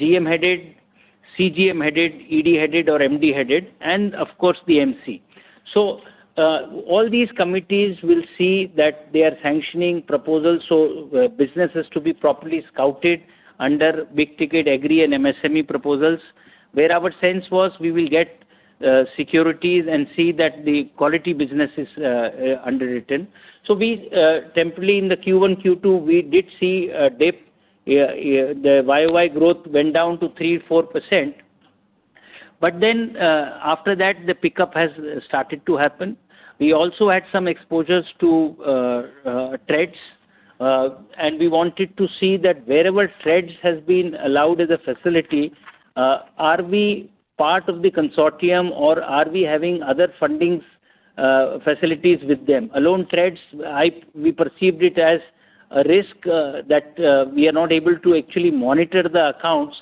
GM-headed, CGM-headed, ED-headed or MD-headed, and of course the MC. All these committees will see that they are sanctioning proposals, so businesses to be properly scouted under big-ticket Agri and MSME proposals, where our sense was we will get securities and see that the quality business is underwritten. We, temporarily in the Q1, Q2, we did see a dip. The YoY growth went down to 3%4%. After that, the pickup has started to happen. We also had some exposures to trade, and we wanted to see that wherever trade has been allowed as a facility, are we part of the consortium or are we having other funding facilities with them. Standalone trade, we perceived it as a risk that we are not able to actually monitor the accounts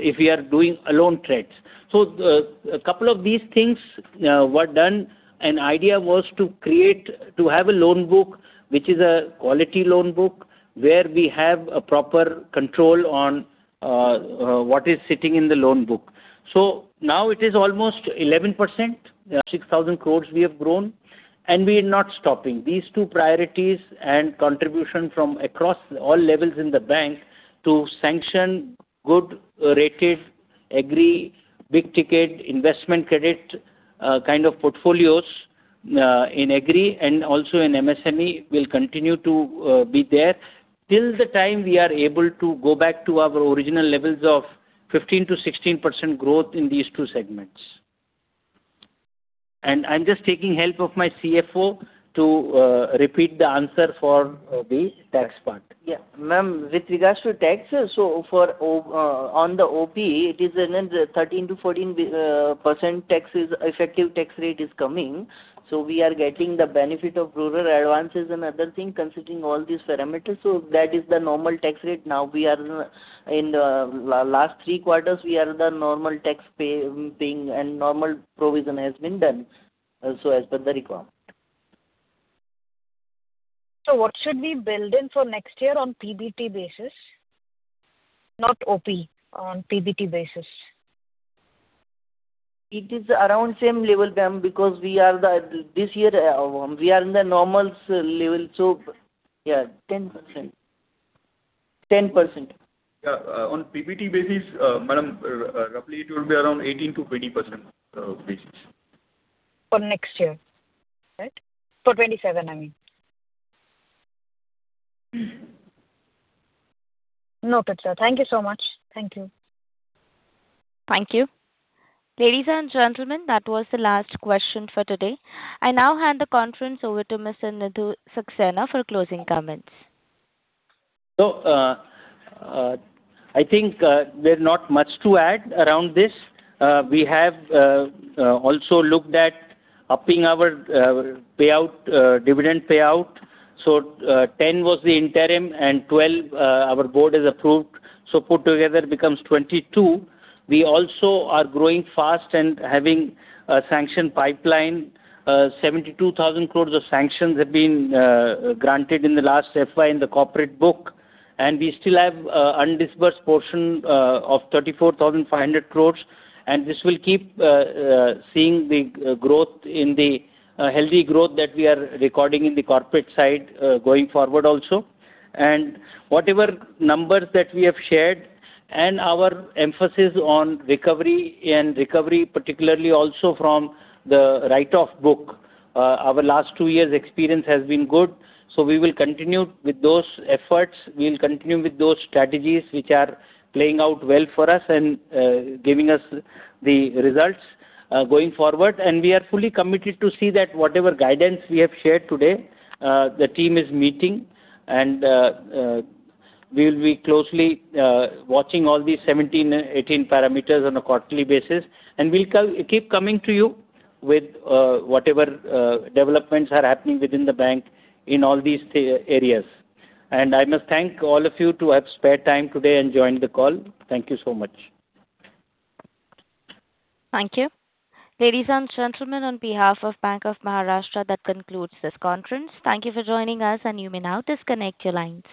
if we are doing standalone trade. A couple of these things were done, and the idea was to have a loan book which is a quality loan book where we have a proper control on what is sitting in the loan book. Now it is almost 11%, 6,000 crore we have grown, and we are not stopping. These two priorities and contribution from across all levels in the bank to sanction good rated Agri, big-ticket investment credit kind of portfolios in Agri and also in MSME will continue to be there till the time we are able to go back to our original levels of 15%-16% growth in these two segments. I'm just taking help of my CFO to repeat the answer for the tax part. Ma'am, with regards to tax, so on the OP, it is 13%-14% effective tax rate is coming. We are getting the benefit of rural advances and other things considering all these parameters. That is the normal tax rate. Now in the last three quarters, we are paying normal tax and normal provision has been done, so as per the requirement. What should we build in for next year on PBT basis? Not OP, on PBT basis. It is around same level, ma'am, because this year we are in the normal level. Yeah, 10%. Yeah. On PBT basis, madam, roughly it will be around 18%-20% basis. For next year. Right? For 2027, I mean. No, good sir. Thank you so much. Thank you. Thank you. Ladies and gentlemen, that was the last question for today. I now hand the conference over to Mr. Nidhu Saxena for closing comments. I think there's not much to add around this. We have also looked at upping our dividend payout. 10 was the interim and 12 our board has approved. Put together, it becomes 22. We also are growing fast and having a sanction pipeline. 72,000 crores of sanctions have been granted in the last FY in the corporate book. We still have undisbursed portion of 34,500 crores. This will keep seeing the healthy growth that we are recording in the corporate side going forward also. Whatever numbers that we have shared and our emphasis on recovery, and recovery particularly also from the write-off book, our last two years' experience has been good, so we will continue with those efforts. We'll continue with those strategies which are playing out well for us and giving us the results going forward. We are fully committed to see that whatever guidance we have shared today, the team is meeting, and we will be closely watching all these 2017, 2018 parameters on a quarterly basis. We'll keep coming to you with whatever developments are happening within the bank in all these areas. I must thank all of you to have spared time today and joined the call. Thank you so much. Thank you. Ladies and gentlemen, on behalf of Bank of Maharashtra, that concludes this conference. Thank you for joining us and you may now disconnect your lines.